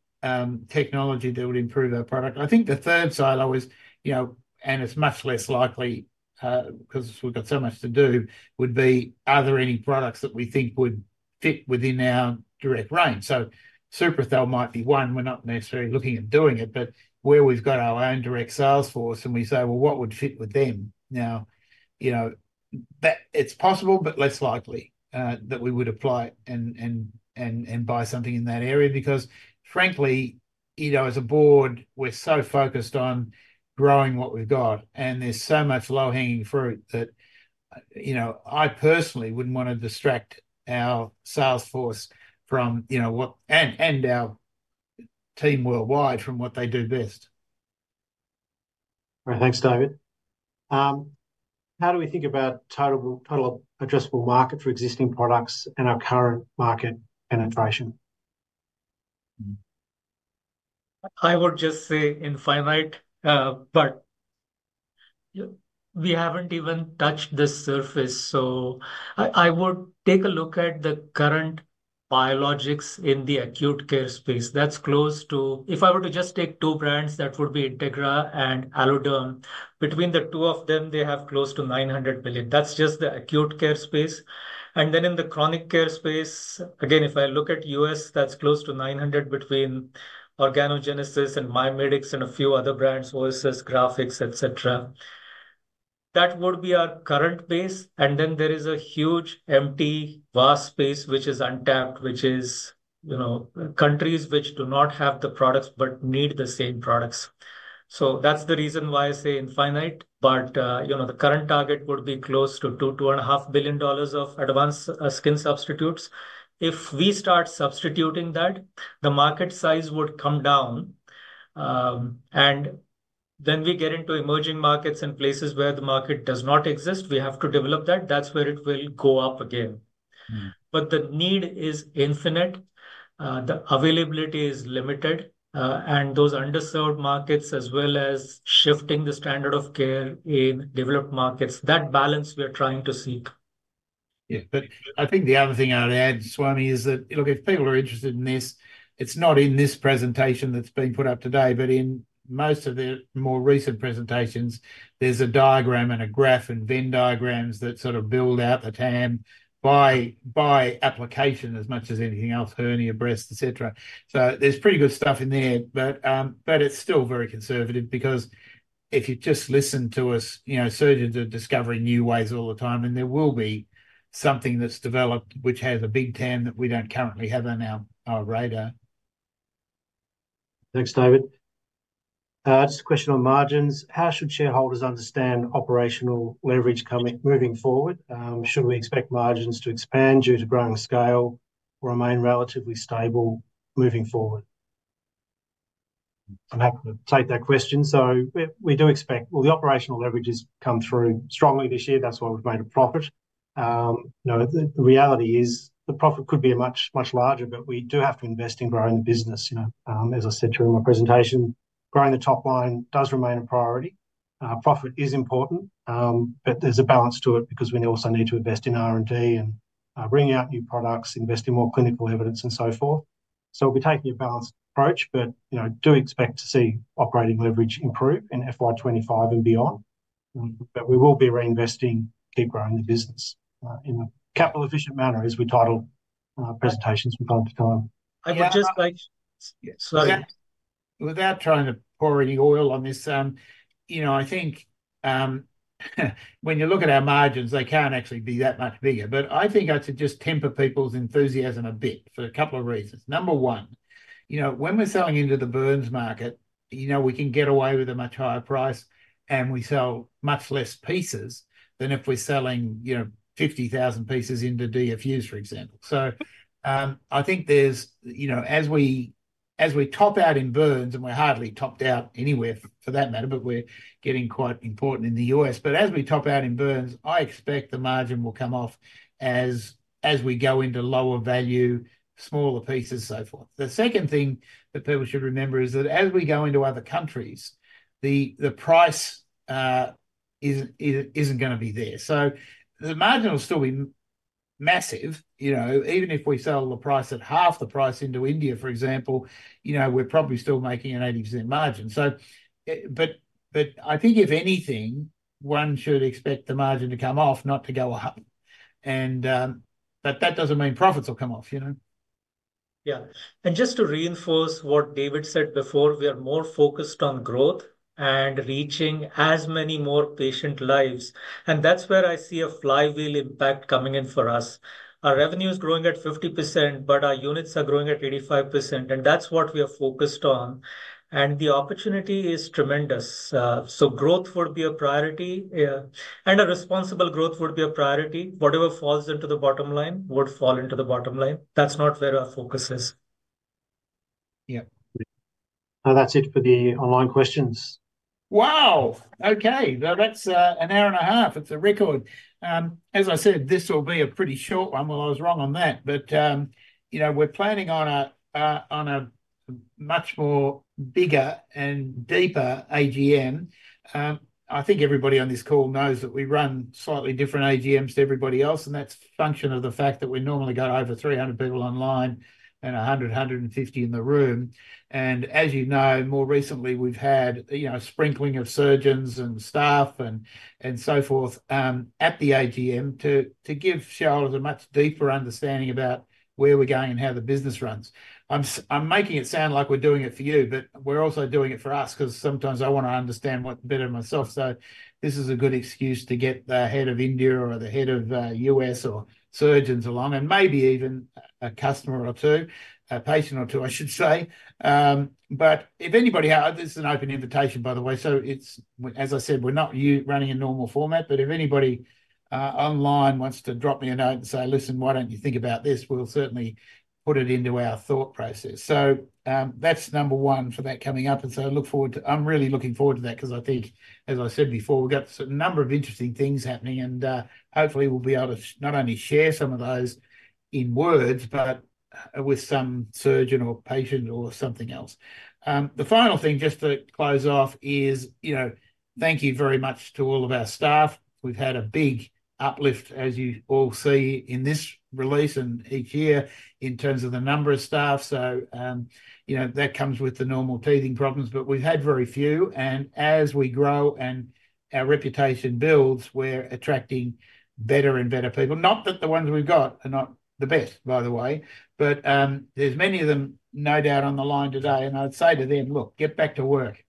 technology that would improve our product. I think the third silo is, you know, and it's much less likely, 'cause we've got so much to do, would be, are there any products that we think would fit within our direct range? So Suprathel might be one. We're not necessarily looking at doing it, but where we've got our own direct sales force, and we say, "Well, what would fit with them?" Now, you know, that it's possible, but less likely that we would apply and buy something in that area, because frankly, you know, as a board, we're so focused on growing what we've got, and there's so much low-hanging fruit that, you know, I personally wouldn't want to distract our sales force from, you know, what and our team worldwide from what they do best. Right. Thanks, David. How do we think about total addressable market for existing products and our current market penetration? I would just say infinite, but, yeah, we haven't even touched the surface. So I would take a look at the current biologics in the acute care space. That's close to $900 billion if I were to just take two brands, that would be Integra and AlloDerm. Between the two of them, they have close to $900 billion. That's just the acute care space. And then in the chronic care space, again, if I look at U.S., that's close to $900 between Organogenesis and MiMedx, and a few other brands, Vericel, Grafix, et cetera. That would be our current base, and then there is a huge, empty, vast space, which is untapped, which is, you know, countries which do not have the products but need the same products. That's the reason why I say infinite, but, you know, the current target would be close to $2-$2.5 billion of advanced skin substitutes. If we start substituting that, the market size would come down, and then we get into emerging markets and places where the market does not exist. We have to develop that. That's where it will go up again. Mm. But the need is infinite, the availability is limited, and those underserved markets, as well as shifting the standard of care in developed markets, that balance we are trying to seek. Yeah, but I think the other thing I'd add, Swami, is that, look, if people are interested in this, it's not in this presentation that's been put up today, but in most of the more recent presentations, there's a diagram and a graph and Venn diagrams that sort of build out the TAM by application as much as anything else, hernia, breast, et cetera. So there's pretty good stuff in there, but it's still very conservative because if you just listen to us, you know, surgeons are discovering new ways all the time, and there will be something that's developed, which has a big TAM that we don't currently have on our radar. Thanks, David. Just a question on margins: How should shareholders understand operational leverage moving forward? Should we expect margins to expand due to growing scale or remain relatively stable moving forward? I'm happy to take that question. So we do expect the operational leverage has come through strongly this year. That's why we've made a profit. You know, the reality is, the profit could be much, much larger, but we do have to invest in growing the business, you know. As I said during my presentation, growing the top line does remain a priority. Profit is important, but there's a balance to it because we also need to invest in R&D and bring out new products, invest in more clinical evidence, and so forth. So we'll be taking a balanced approach, but, you know, do expect to see operating leverage improve in FY 2025 and beyond. But we will be reinvesting, keep growing the business, in a capital efficient manner, as we title presentations from time to time. I would just like- Yeah. Sorry. Without trying to pour any oil on this, you know, I think, when you look at our margins, they can't actually be that much bigger. But I think I'd suggest temper people's enthusiasm a bit for a couple of reasons. Number one, you know, when we're selling into the burns market, you know, we can get away with a much higher price, and we sell much less pieces than if we're selling, you know, 50,000 pieces into DFUs, for example. So, I think there's, you know, as we, as we top out in burns, and we're hardly topped out anywhere for that matter, but we're getting quite important in the U.S. But as we top out in burns, I expect the margin will come off as, as we go into lower value, smaller pieces, so forth. The second thing that people should remember is that as we go into other countries, the price isn't gonna be there. So the margin will still be massive, you know, even if we sell the price at half the price into India, for example, you know, we're probably still making an 80% margin. So, but I think if anything, one should expect the margin to come off, not to go up. But that doesn't mean profits will come off, you know? Yeah, and just to reinforce what David said before, we are more focused on growth and reaching as many more patient lives, and that's where I see a flywheel impact coming in for us. Our revenue is growing at 50%, but our units are growing at 85%, and that's what we are focused on, and the opportunity is tremendous. So growth would be a priority, yeah, and a responsible growth would be a priority. Whatever falls into the bottom line would fall into the bottom line. That's not where our focus is. Yeah. Now that's it for the online questions. Wow! Okay, now that's an hour and a half. It's a record. As I said, this will be a pretty short one. Well, I was wrong on that, but you know, we're planning on a much more bigger and deeper AGM. I think everybody on this call knows that we run slightly different AGMs to everybody else, and that's a function of the fact that we normally get over three hundred people online and a hundred and fifty in the room, and as you know, more recently we've had you know, a sprinkling of surgeons and staff and so forth at the AGM to give shareholders a much deeper understanding about where we're going and how the business runs. I'm making it sound like we're doing it for you, but we're also doing it for us, 'cause sometimes I wanna understand what... better myself. So this is a good excuse to get the head of India or the head of US or surgeons along, and maybe even a customer or two, a patient or two, I should say. But if anybody out... This is an open invitation, by the way, so it's, well, as I said, we're not running a normal format, but if anybody online wants to drop me a note and say, "Listen, why don't you think about this?" We'll certainly put it into our thought process. So, that's number one for that coming up, and so I look forward to... I'm really looking forward to that, 'cause I think, as I said before, we've got a number of interesting things happening, and, hopefully we'll be able to not only share some of those in words, but, with some surgeon or patient or something else. The final thing, just to close off, is, you know, thank you very much to all of our staff. We've had a big uplift, as you all see in this release and each year, in terms of the number of staff. So, you know, that comes with the normal teething problems, but we've had very few, and as we grow and our reputation builds, we're attracting better and better people. Not that the ones we've got are not the best, by the way, but there's many of them, no doubt, on the line today, and I'd say to them, "Look, get back to work,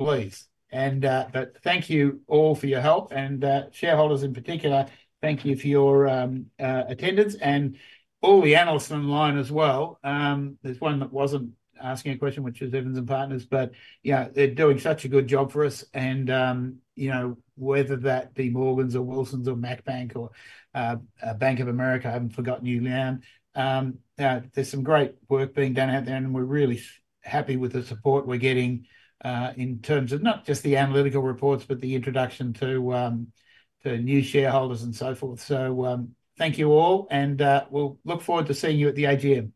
please." And, but thank you all for your help, and shareholders in particular, thank you for your attendance. And all the analysts are online as well. There's one that wasn't asking a question, which is Evans and Partners, but, you know, they're doing such a good job for us, and You know, whether that be Morgans or Wilsons or Mac Bank or Bank of America I haven't forgotten you now. There's some great work being done out there, and we're really happy with the support we're getting in terms of not just the analytical reports, but the introduction to new shareholders, and so forth. So, thank you all, and we'll look forward to seeing you at the AGM.